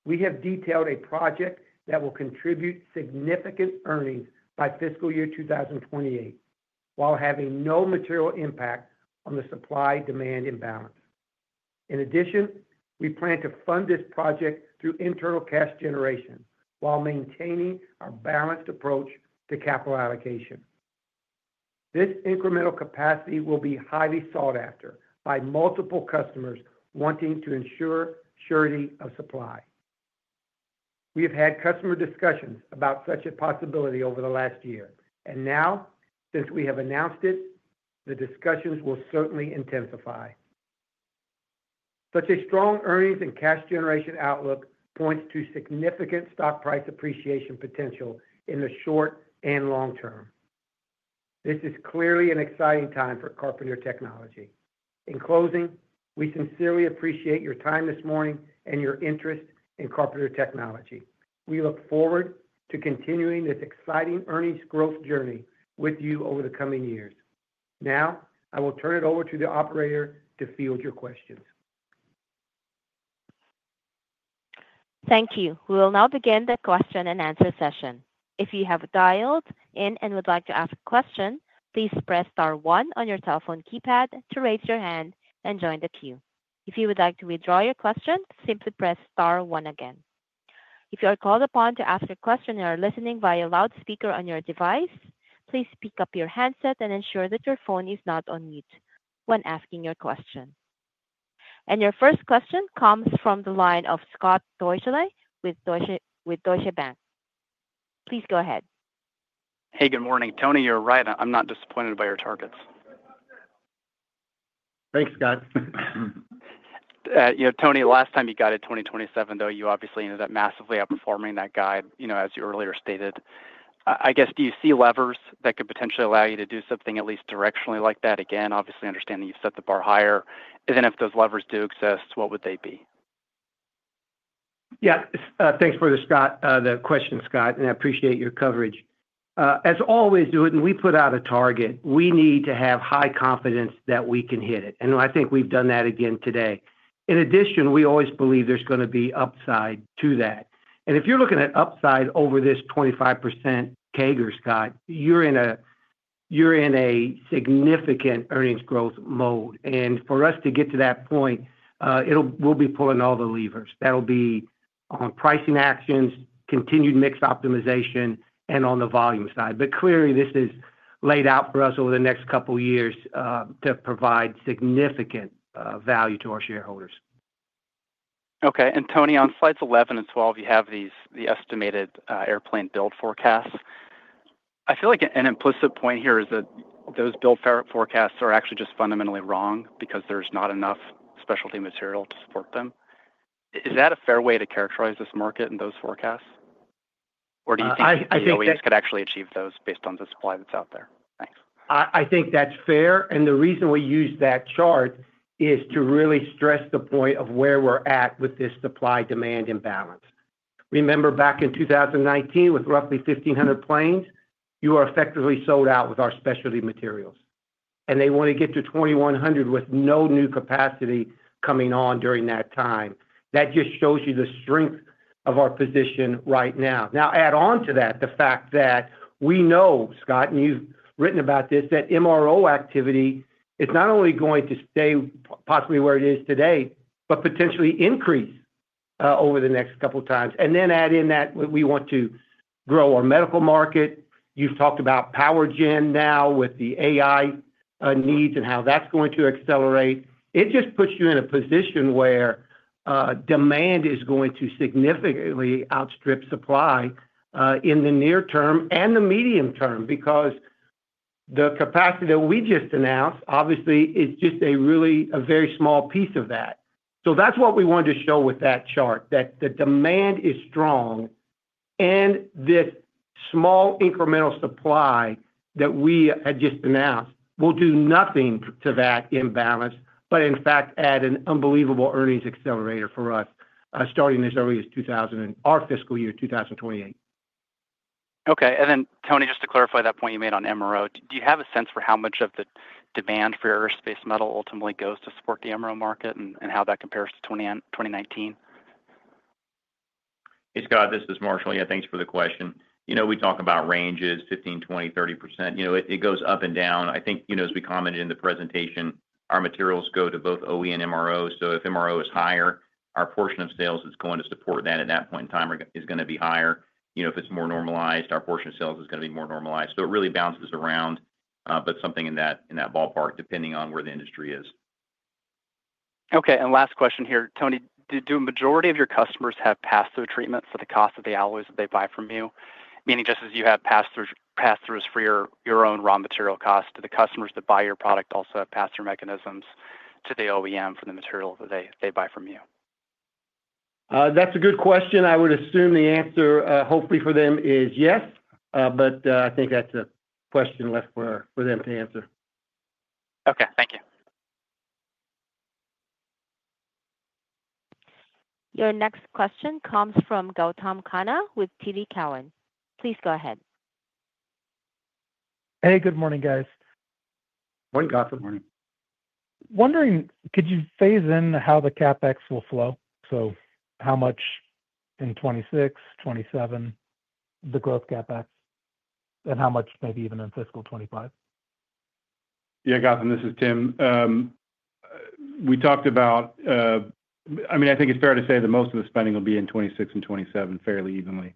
We have detailed a project that will contribute significant earnings by fiscal year 2028 while having no material impact on the supply-demand imbalance. In addition, we plan to fund this project through internal cash generation while maintaining our balanced approach to capital allocation. This incremental capacity will be highly sought after by multiple customers wanting to ensure surety of supply. We have had customer discussions about such a possibility over the last year, and now, since we have announced it, the discussions will certainly intensify. Such a strong earnings and cash generation outlook points to significant stock price appreciation potential in the short and long term. This is clearly an exciting time for Carpenter Technology. In closing, we sincerely appreciate your time this morning and your interest in Carpenter Technology. We look forward to continuing this exciting earnings growth journey with you over the coming years. Now, I will turn it over to the operator to field your questions. Thank you. We will now begin the question-and-answer session. If you have dialed in and would like to ask a question, please press star one on your cell phone keypad to raise your hand and join the queue. If you would like to withdraw your question, simply press star one again. If you are called upon to ask a question and are listening via loudspeaker on your device, please pick up your handset and ensure that your phone is not on mute when asking your question. Your first question comes from the line of Scott Deuschle with Deutsche Bank. Please go ahead. Hey, good morning. Tony, you're right. I'm not disappointed by your targets. Thanks, Scott. You know, Tony, last time you guided 2027, though, you obviously ended up massively outperforming that guide, you know, as you earlier stated. I guess, do you see levers that could potentially allow you to do something at least directionally like that again? Obviously, understanding you've set the bar higher. And then if those levers do exist, what would they be? Yeah, thanks for the question, Scott, and I appreciate your coverage. As always to do it, when we put out a target, we need to have high confidence that we can hit it. I think we've done that again today. In addition, we always believe there's going to be upside to that. If you're looking at upside over this 25% CAGR, Scott, you're in a significant earnings growth mode. For us to get to that point, we'll be pulling all the levers. That'll be on pricing actions, continued mix optimization, and on the volume side. Clearly, this is laid out for us over the next couple of years to provide significant value to our shareholders. Okay. Tony, on slides 11 and 12, you have the estimated airplane build forecasts. I feel like an implicit point here is that those build forecasts are actually just fundamentally wrong because there's not enough specialty material to support them. Is that a fair way to characterize this market and those forecasts? Or do you think you really could actually achieve those based on the supply that's out there? Thanks. I think that's fair. And the reason we use that chart is to really stress the point of where we're at with this supply-demand imbalance. Remember back in 2019, with roughly 1,500 planes, you are effectively sold out with our specialty materials. And they want to get to 2,100 with no new capacity coming on during that time. That just shows you the strength of our position right now. Now, add on to that the fact that we know, Scott, and you've written about this, that MRO activity is not only going to stay possibly where it is today, but potentially increase over the next couple of times. And then add in that we want to grow our medical market. You've talked about power gen now with the AI needs and how that's going to accelerate. It just puts you in a position where demand is going to significantly outstrip supply in the near term and the medium term because the capacity that we just announced, obviously, is just a really very small piece of that. So that's what we wanted to show with that chart, that the demand is strong and this small incremental supply that we had just announced will do nothing to that imbalance, but in fact, add an unbelievable earnings accelerator for us starting as early as our fiscal year 2028. Okay. And then, Tony, just to clarify that point you made on MRO, do you have a sense for how much of the demand for aerospace metal ultimately goes to support the MRO market and how that compares to 2019? Hey, Scott, this is Marshall. Yeah, thanks for the question. You know, we talk about ranges, 15%, 20%, 30%. You know, it goes up and down. I think, you know, as we commented in the presentation, our materials go to both OE and MRO. So if MRO is higher, our portion of sales that's going to support that at that point in time is going to be higher. You know, if it's more normalized, our portion of sales is going to be more normalized. So it really bounces around, but something in that ballpark depending on where the industry is. Okay. And last question here, Tony, do a majority of your customers have pass-through treatment for the cost of the alloys that they buy from you? Meaning just as you have pass-throughs for your own raw material cost, do the customers that buy your product also have pass-through mechanisms to the OEM for the material that they buy from you? That's a good question. I would assume the answer, hopefully, for them is yes, but I think that's a question left for them to answer. Okay. Thank you. Your next question comes from Gautam Khanna with TD Cowen. Please go ahead. Hey, good morning, guys. Morning, Gautam. Good morning. Wondering, could you phase in how the CapEx will flow? So how much in 2026, 2027, the growth CapEx, and how much maybe even in fiscal 2025? Yeah, Gautam, this is Tim. We talked about, I mean, I think it's fair to say that most of the spending will be in 2026 and 2027 fairly evenly.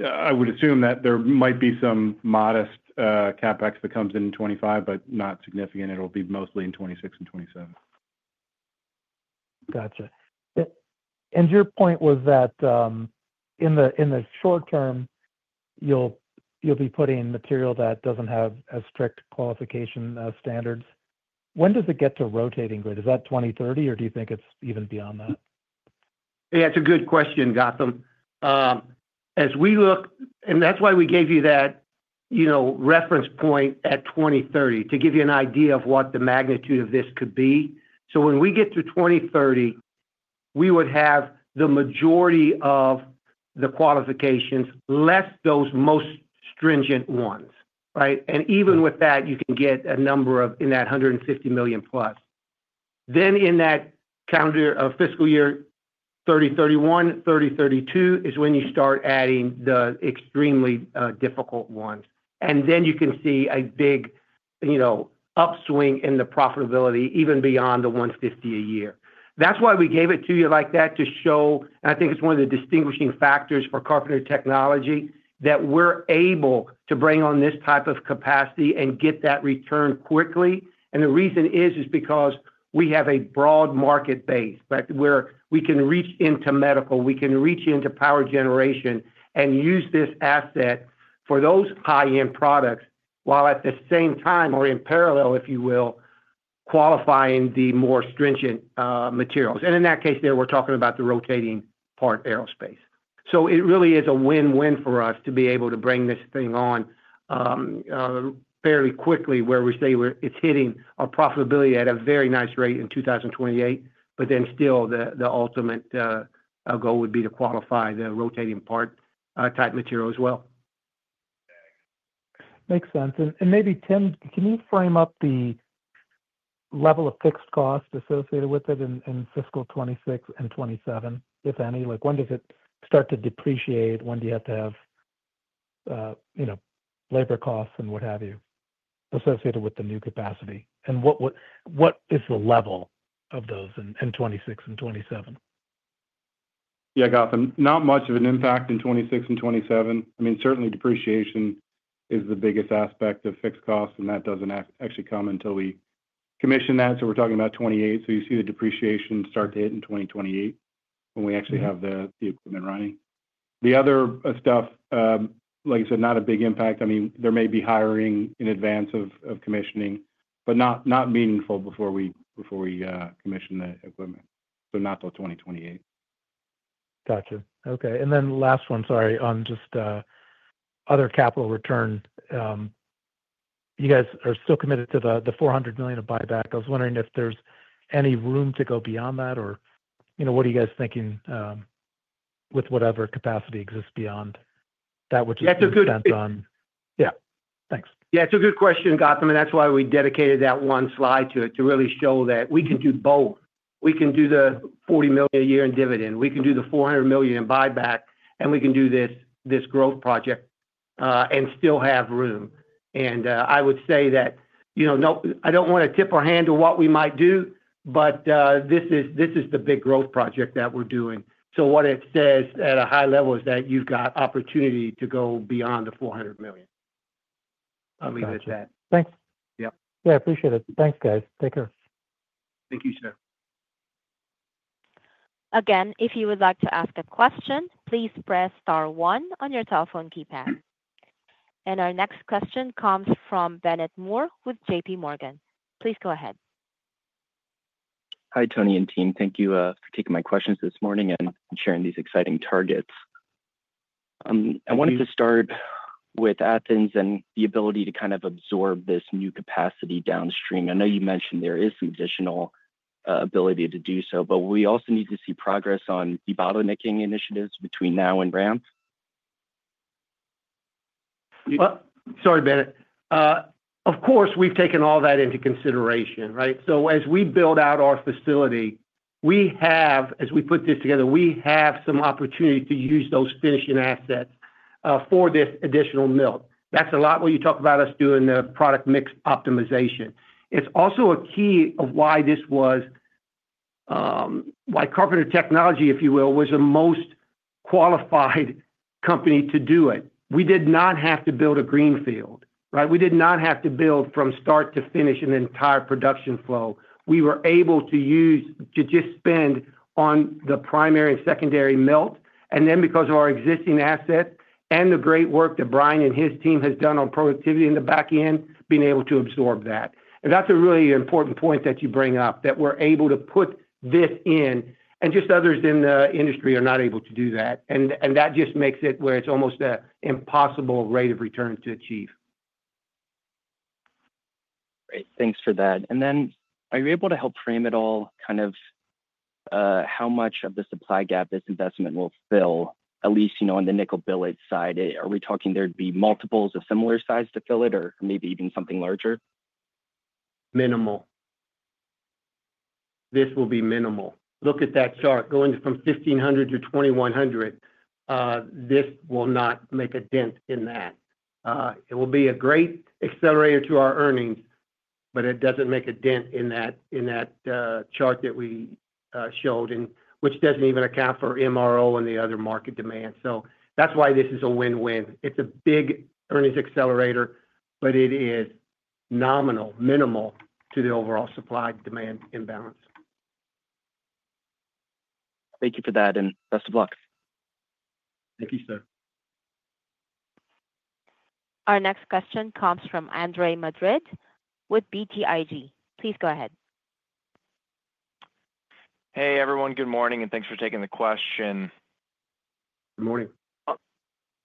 I would assume that there might be some modest CapEx that comes in in 2025, but not significant. It'll be mostly in 2026 and 2027. Gotcha. And your point was that in the short term, you'll be putting material that doesn't have as strict qualification standards. When does it get to rotating grade? Is that 2030, or do you think it's even beyond that? Yeah, it's a good question, Gautam. As we look, and that's why we gave you that reference point at 2030, to give you an idea of what the magnitude of this could be. So when we get to 2030, we would have the majority of the qualifications less those most stringent ones, right? And even with that, you can get a number in that $150 million plus. Then in that calendar fiscal year 2031, 2032 is when you start adding the extremely difficult ones. And then you can see a big upswing in the profitability even beyond the 150 a year. That's why we gave it to you like that to show, and I think it's one of the distinguishing factors for Carpenter Technology that we're able to bring on this type of capacity and get that return quickly. And the reason is because we have a broad market base where we can reach into medical, we can reach into power generation, and use this asset for those high-end products while at the same time, or in parallel, if you will, qualifying the more stringent materials. And in that case there, we're talking about the rotating part aerospace. So it really is a win-win for us to be able to bring this thing on fairly quickly where we say it's hitting our profitability at a very nice rate in 2028, but then still the ultimate goal would be to qualify the rotating part type material as well. Makes sense. And maybe, Tim, can you frame up the level of fixed cost associated with it in fiscal 2026 and 2027, if any? Like when does it start to depreciate? When do you have to have labor costs and what have you associated with the new capacity? And what is the level of those in 2026 and 2027? Yeah, Gautam, not much of an impact in 2026 and 2027. I mean, certainly depreciation is the biggest aspect of fixed costs, and that doesn't actually come until we commission that. So we're talking about 2028. So you see the depreciation start to hit in 2028 when we actually have the equipment running. The other stuff, like I said, not a big impact. I mean, there may be hiring in advance of commissioning, but not meaningful before we commission the equipment. So not till 2028. Gotcha. Okay. And then last one, sorry, on just other capital return. You guys are still committed to the $400 million of buyback. I was wondering if there's any room to go beyond that, or what are you guys thinking with whatever capacity exists beyond that, which is based on? Thanks. Yeah, it's a good question, Gautam. And that's why we dedicated that one slide to it, to really show that we can do both. We can do the $40 million a year in dividend. We can do the $400 million in buyback, and we can do this growth project and still have room. And I would say that I don't want to tip our hand to what we might do, but this is the big growth project that we're doing. So what it says at a high level is that you've got opportunity to go beyond the $400 million. I'll leave it at that. Thanks. Yeah. Yeah, I appreciate it. Thanks, guys. Take care. Thank you, sir. Again, if you would like to ask a question, please press star one on your cell phone keypad. And our next question comes from Bennett Moore with JPMorgan. Please go ahead. Hi, Tony and team. Thank you for taking my questions this morning and sharing these exciting targets. I wanted to start with Athens and the ability to kind of absorb this new capacity downstream. I know you mentioned there is some additional ability to do so, but we also need to see progress on the debottlenecking initiatives between now and ramp. Sorry, Bennett. Of course, we've taken all that into consideration, right? So as we build out our facility, we have, as we put this together, we have some opportunity to use those finishing assets for this additional mill. That's a lot what you talk about us doing the product mix optimization. It's also a key of why this was, why Carpenter Technology, if you will, was the most qualified company to do it. We did not have to build a greenfield, right? We did not have to build from start to finish an entire production flow. We were able to use to just spend on the primary and secondary melt. And then, because of our existing asset and the great work that Brian and his team has done on productivity in the back end, being able to absorb that. And that's a really important point that you bring up, that we're able to put this in. And just others in the industry are not able to do that. And that just makes it where it's almost an impossible rate of return to achieve. Great. Thanks for that. And then are you able to help frame it all, kind of how much of the supply gap this investment will fill, at least on the nickel billet side? Are we talking there'd be multiples of similar size to fill it, or maybe even something larger? Minimal. This will be minimal. Look at that chart. Going from 1,500 to 2,100, this will not make a dent in that. It will be a great accelerator to our earnings, but it doesn't make a dent in that chart that we showed, which doesn't even account for MRO and the other market demand. So that's why this is a win-win. It's a big earnings accelerator, but it is nominal, minimal to the overall supply demand imbalance. Thank you for that, and best of luck. Thank you, sir. Our next question comes from Andre Madrid with BTIG. Please go ahead. Hey, everyone. Good morning, and thanks for taking the question. Good morning.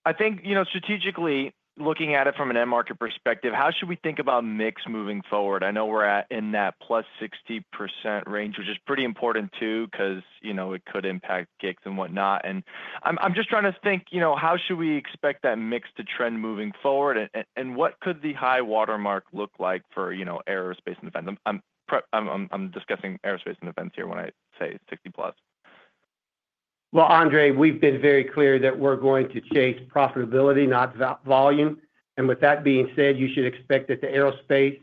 I think, strategically, looking at it from an end market perspective, how should we think about mix moving forward? I know we're in that +60% range, which is pretty important too because it could impact mix and whatnot. And I'm just trying to think, how should we expect that mix to trend moving forward, and what could the high watermark look like for aerospace and defense? I'm discussing aerospace and defense here when I say 60%+. Well, Andrey, we've been very clear that we're going to chase profitability, not volume. And with that being said, you should expect that the aerospace,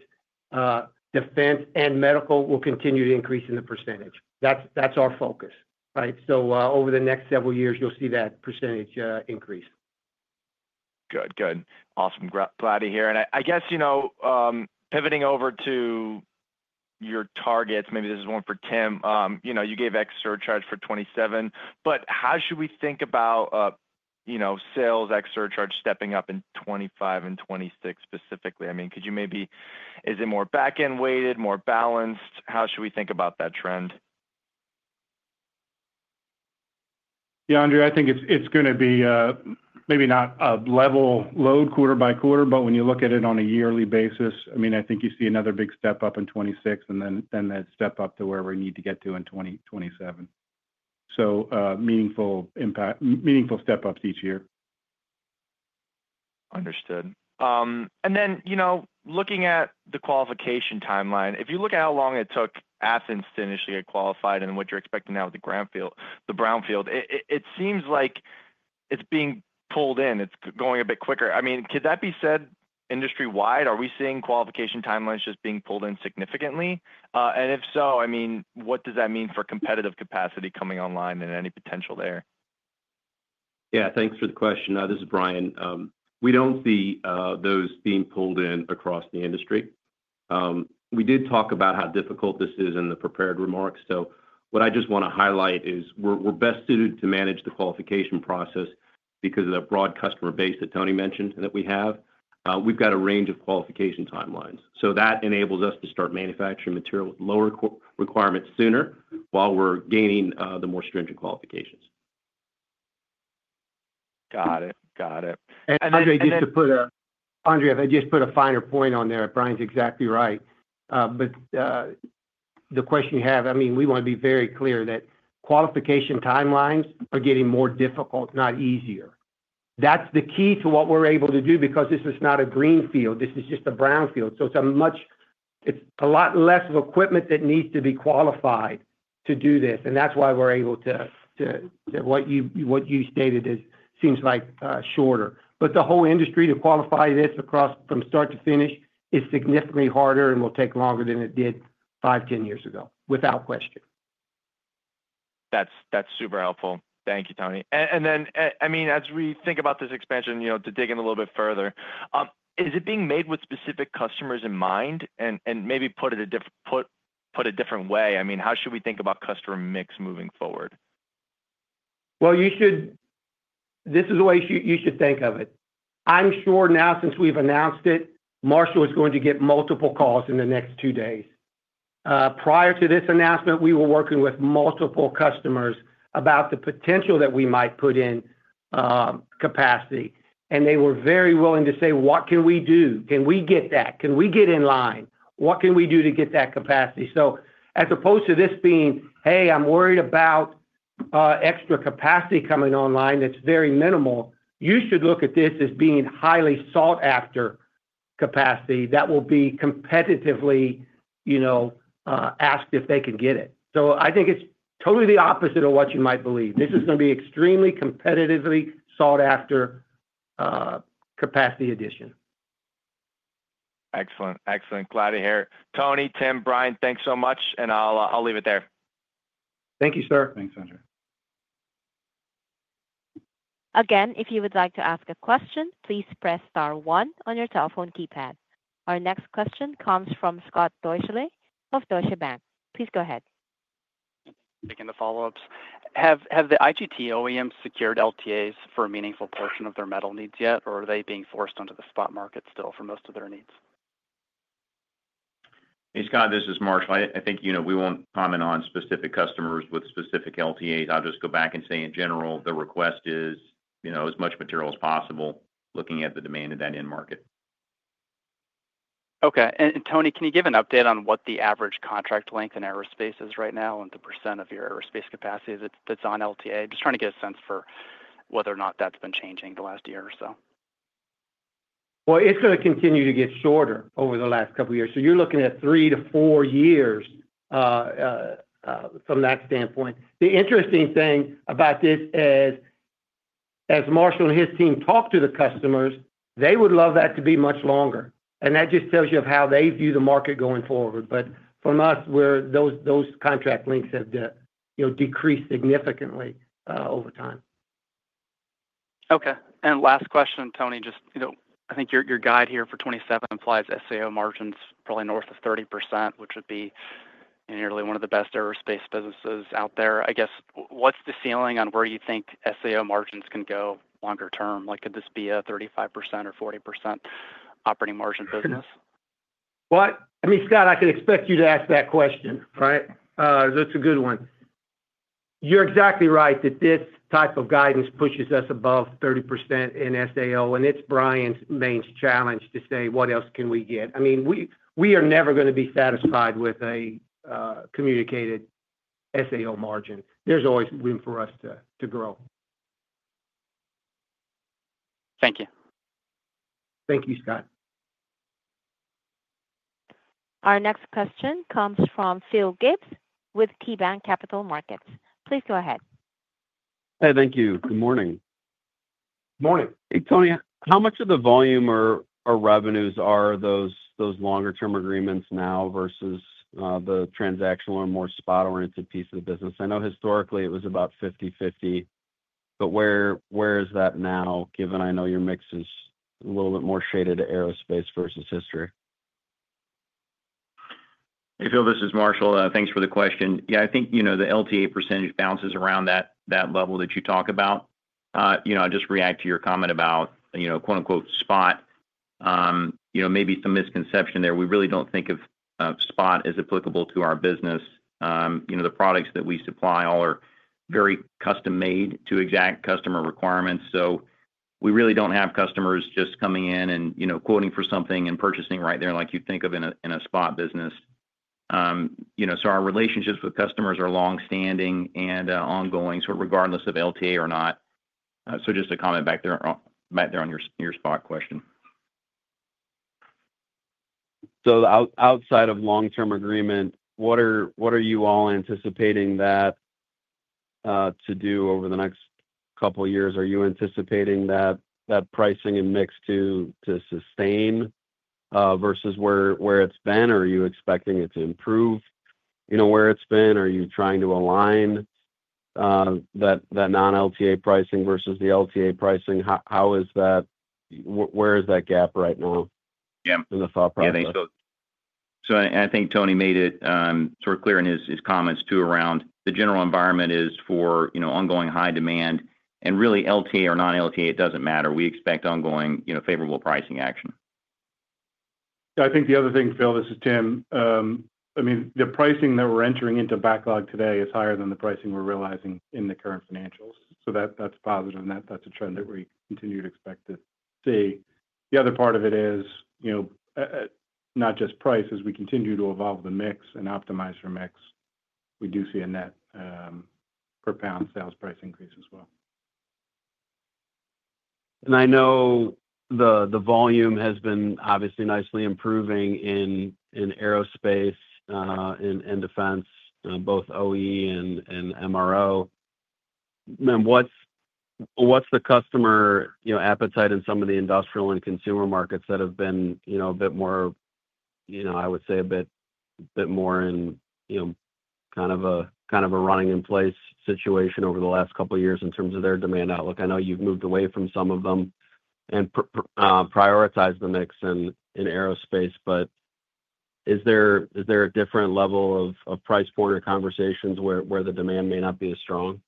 defense, and medical will continue to increase in the percentage. That's our focus, right? So over the next several years, you'll see that percentage increase. Good. Good. Awesome. Glad to hear. And I guess pivoting over to your targets, maybe this is one for Tim. You gave ex surcharge for 2027, but how should we think about sales ex surcharge stepping up in 2025 and 2026 specifically? I mean, could you maybe, is it more back-end weighted, more balanced? How should we think about that trend? Yeah, Andrey, I think it's going to be maybe not a level load quarter by quarter, but when you look at it on a yearly basis, I mean, I think you see another big step up in 2026, and then that step up to where we need to get to in 2027. So meaningful step-ups each year. Understood. And then looking at the qualification timeline, if you look at how long it took Athens to initially get qualified and what you're expecting now with the brownfield, it seems like it's being pulled in. It's going a bit quicker. I mean, could that be said industry-wide? Are we seeing qualification timelines just being pulled in significantly? And if so, I mean, what does that mean for competitive capacity coming online and any potential there? Yeah, thanks for the question. This is Brian. We don't see those being pulled in across the industry. We did talk about how difficult this is in the prepared remarks. So what I just want to highlight is we're best suited to manage the qualification process because of the broad customer base that Tony mentioned that we have. We've got a range of qualification timelines. So that enables us to start manufacturing material with lower requirements sooner while we're gaining the more stringent qualifications. Got it. Got it. And Andrey, if I just put a finer point on there, Brian's exactly right. But the question you have, I mean, we want to be very clear that qualification timelines are getting more difficult, not easier. That's the key to what we're able to do because this is not a greenfield. This is just a brownfield. So it's a lot less of equipment that needs to be qualified to do this. And that's why we're able to - what you stated seems like shorter. But the whole industry to qualify this across from start to finish is significantly harder and will take longer than it did five, 10 years ago, without question. That's super helpful. Thank you, Tony. And then, I mean, as we think about this expansion, to dig in a little bit further, is it being made with specific customers in mind and maybe put it a different way? I mean, how should we think about customer mix moving forward? Well, this is the way you should think of it. I'm sure now, since we've announced it, Marshall is going to get multiple calls in the next two days. Prior to this announcement, we were working with multiple customers about the potential that we might put in capacity. And they were very willing to say, "What can we do? Can we get that? Can we get in line? What can we do to get that capacity?" So as opposed to this being, "Hey, I'm worried about extra capacity coming online that's very minimal," you should look at this as being highly sought-after capacity that will be competitively asked if they can get it. So I think it's totally the opposite of what you might believe. This is going to be extremely competitively sought-after capacity addition. Excellent. Excellent. Glad to hear it. Tony, Tim, Brian, thanks so much. And I'll leave it there. Thank you, sir. Thanks, Andre. Again, if you would like to ask a question, please press star one on your cell phone keypad. Our next question comes from Scott Deuschle of Deutsche Bank. Please go ahead. Taking the follow-ups. Have the IGT OEMs secured LTAs for a meaningful portion of their metal needs yet, or are they being forced onto the spot market still for most of their needs? Hey, Scott, this is Marshall. I think we won't comment on specific customers with specific LTAs. I'll just go back and say, in general, the request is as much material as possible, looking at the demand of that end market. Okay. And Tony, can you give an update on what the average contract length in aerospace is right now and the percent of your aerospace capacity that's on LTA? Just trying to get a sense for whether or not that's been changing the last year or so. Well, it's going to continue to get shorter over the last couple of years. So you're looking at three to four years from that standpoint. The interesting thing about this is, as Marshall and his team talk to the customers, they would love that to be much longer. And that just tells you of how they view the market going forward. But for us, those contract lengths have decreased significantly over time. Okay. And last question, Tony. Just I think your guide here for 2027 implies SAO margins probably north of 30%, which would be nearly one of the best aerospace businesses out there. I guess, what's the ceiling on where you think SAO margins can go longer term? Could this be a 35% or 40% operating margin business? Well, I mean, Scott, I can expect you to ask that question, right? So it's a good one. You're exactly right that this type of guidance pushes us above 30% in SAO, and it's Brian's main challenge to say, "What else can we get?" I mean, we are never going to be satisfied with a communicated SAO margin. There's always room for us to grow. Thank you. Thank you, Scott. Our next question comes from Phil Gibbs with KeyBanc Capital Markets. Please go ahead. Hey, thank you. Good morning. Good morning. Hey, Tony. How much of the volume or revenues are those longer-term agreements now versus the transactional or more spot-oriented piece of the business? I know historically it was about 50/50, but where is that now, given I know your mix is a little bit more shaded to aerospace versus history? Hey, Phil, this is Marshall. Thanks for the question. Yeah, I think the LTA percentage bounces around that level that you talk about. I'll just react to your comment about "spot." Maybe some misconception there. We really don't think of spot as applicable to our business. The products that we supply all are very custom-made to exact customer requirements. So we really don't have customers just coming in and quoting for something and purchasing right there like you'd think of in a spot business. So our relationships with customers are longstanding and ongoing, so regardless of LTA or not. So just a comment back there on your spot question. So outside of long-term agreement, what are you all anticipating that to do over the next couple of years? Are you anticipating that pricing and mix to sustain versus where it's been, or are you expecting it to improve where it's been? Are you trying to align that non-LTA pricing versus the LTA pricing? How is that? Where is that gap right now in the thought process? Yeah. So I think Tony made it sort of clear in his comments too around the general environment is for ongoing high demand. And really, LTA or non-LTA, it doesn't matter. We expect ongoing favorable pricing action. Yeah. I think the other thing, Phil, this is Tim. I mean, the pricing that we're entering into backlog today is higher than the pricing we're realizing in the current financials. So that's positive, and that's a trend that we continue to expect to see. The other part of it is not just price as we continue to evolve the mix and opt imize your mix. We do see a net per pound sales price increase as well. And I know the volume has been obviously nicely improving in aerospace and defense, both OE and MRO. What's the customer appetite in some of the industrial and consumer markets that have been a bit more, I would say, a bit more in kind of a running-in-place situation over the last couple of years in terms of their demand outlook? I know you've moved away from some of them and prioritized the mix in aerospace, but is there a different level of price-pointer conversations where the demand may not be as strong?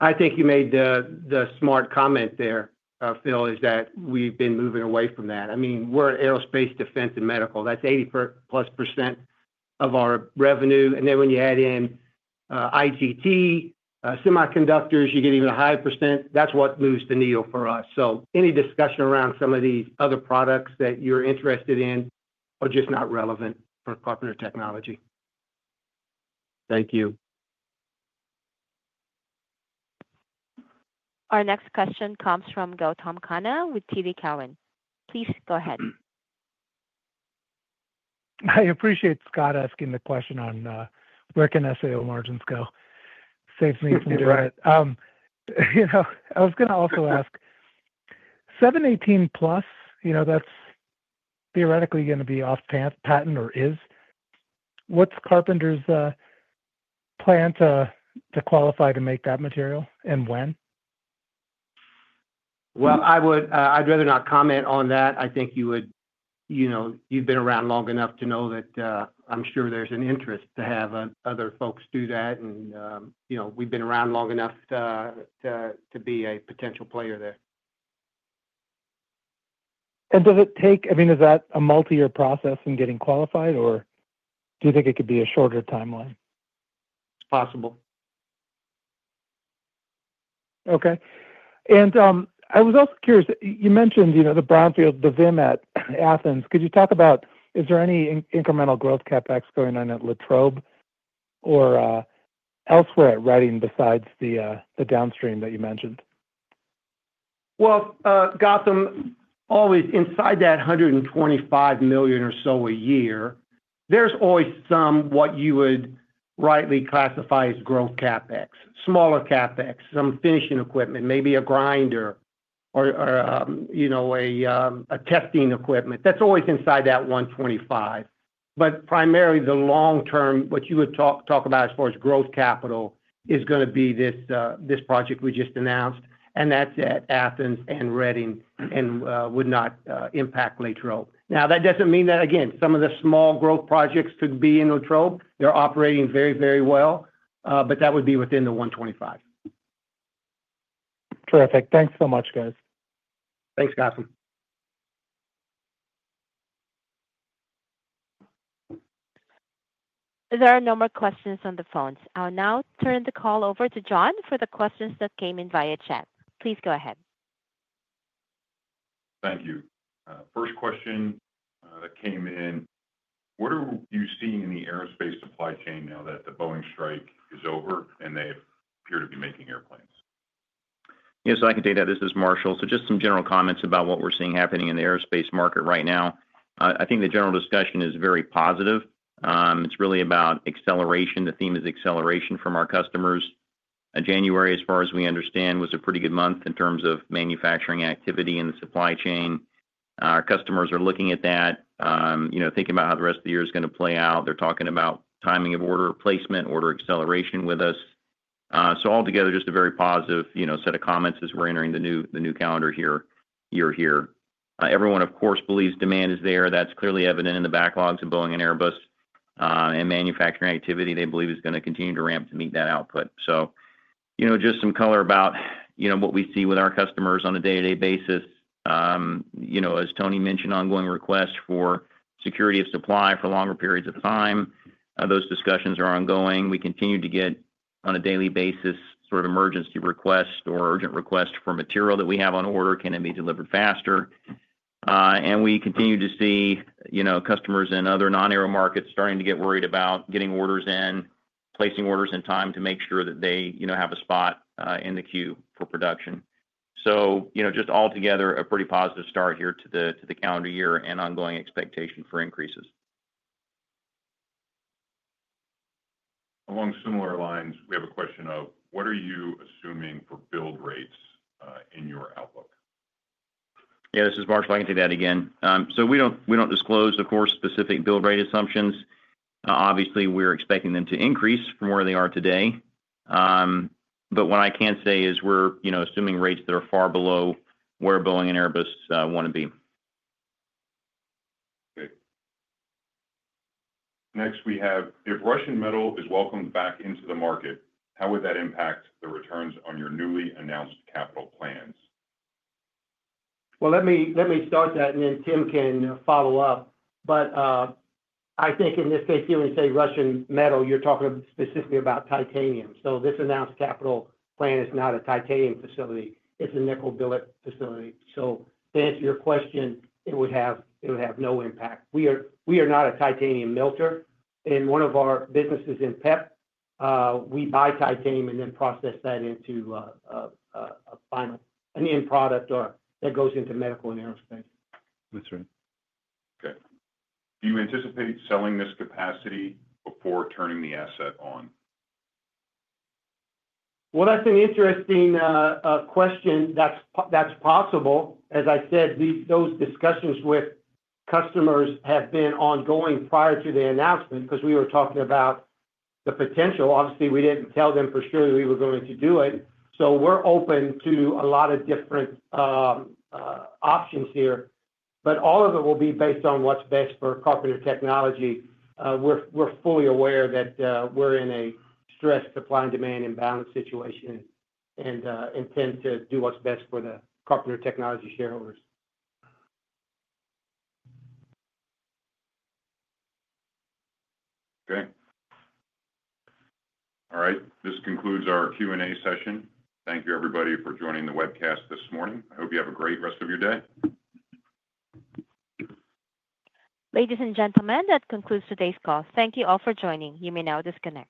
I think you made the smart comment there, Phil, is that we've been moving away from that. I mean, we're aerospace, defense, and medical. That's 80+% of our revenue. And then when you add in IGT, semiconductors, you get even a higher %. That's what moves the needle for us. So any discussion around some of these other products that you're interested in are just not relevant for Carpenter Technology. Thank you. Our next question comes from Gautam Khanna with TD Cowen. Please go ahead. I appreciate Scott asking the question on where can SAO margins go. Saves me from doing it. I was going to also ask, 718Plus, that's theoretically going to be off-patent or is. What's Carpenter's plan to qualify to make that material and when? Well, I'd rather not comment on that. I think you would—you've been around long enough to know that I'm sure there's an interest to have other folks do that. And we've been around long enough to be a potential player there. And does it take—I mean, is that a multi-year process in getting qualified, or do you think it could be a shorter timeline? It's possible. Okay. And I was also curious. You mentioned the brownfield, the VIM at Athens. Could you talk about? Is there any incremental growth CapEx going on at Latrobe or elsewhere right now besides the downstream that you mentioned? Well, Gautam, always inside that $125 million or so a year, there's always some what you would rightly classify as growth CapEx, smaller CapEx, some finishing equipment, maybe a grinder or a testing equipment. That's always inside that $125 million. But primarily, the long-term, what you would talk about as far as growth capital is going to be this project we just announced. And that's at Athens and Reading and would not impact Latrobe. Now, that doesn't mean that, again, some of the small growth projects could be in Latrobe. They're operating very, very well. But that would be within the $125 million. Terrific. Thanks so much, guys. Thanks, Gautam. There are no more questions on the phones. I'll now turn the call over to John for the questions that came in via chat. Please go ahead. Thank you. First question that came in: What are you seeing in the aerospace supply chain now that the Boeing strike is over and they appear to be making airplanes? Yes. I can take that. This is Marshall. Just some general comments about what we're seeing happening in the aerospace market right now. I think the general discussion is very positive. It's really about acceleration. The theme is acceleration from our customers. January, as far as we understand, was a pretty good month in terms of manufacturing activity in the supply chain. Our customers are looking at that, thinking about how the rest of the year is going to play out. They're talking about timing of order placement, order acceleration with us. So altogether, just a very positive set of comments as we're entering the new calendar year here. Everyone, of course, believes demand is there. That's clearly evident in the backlogs of Boeing and Airbus, and manufacturing activity, they believe, is going to continue to ramp to meet that output, so just some color about what we see with our customers on a day-to-day basis. As Tony mentioned, ongoing requests for security of supply for longer periods of time. Those discussions are ongoing. We continue to get, on a daily basis, sort of emergency requests or urgent requests for material that we have on order. Can it be delivered faster, and we continue to see customers in other non-aero markets starting to get worried about getting orders in, placing orders in time to make sure that they have a spot in the queue for production. So just altogether, a pretty positive start here to the calendar year and ongoing expectation for increases. Along similar lines, we have a question: What are you assuming for build rates in your outlook? Yeah. This is Marshall. I can take that again. So we don't disclose, of course, specific build rate assumptions. Obviously, we're expecting them to increase from where they are today. But what I can say is we're assuming rates that are far below where Boeing and Airbus want to be. Great. Next, we have: If Russian metal is welcomed back into the market, how would that impact the returns on your newly announced capital plans? Well, let me start that, and then Tim can follow up. But I think in this case, you would say Russian metal, you're talking specifically about titanium. So this announced capital plan is not a titanium facility. It's a nickel billet facility. So to answer your question, it would have no impact. We are not a titanium melter, and one of our businesses in PEP, we buy titanium and then process that into a final end product that goes into medical and aerospace. That's right. Okay. Do you anticipate selling this capacity before turning the asset on? Well, that's an interesting question. That's possible. As I said, those discussions with customers have been ongoing prior to the announcement because we were talking about the potential. Obviously, we didn't tell them for sure that we were going to do it. So we're open to a lot of different options here, but all of it will be based on what's best for Carpenter Technology. We're fully aware that we're in a stressed supply and demand imbalance situation and intend to do what's best for the Carpenter Technology shareholders. Okay. All right. This concludes our Q&A session. Thank you, everybody, for joining the webcast this morning. I hope you have a great rest of your day. Ladies and gentlemen, that concludes today's call. Thank you all for joining. You may now disconnect.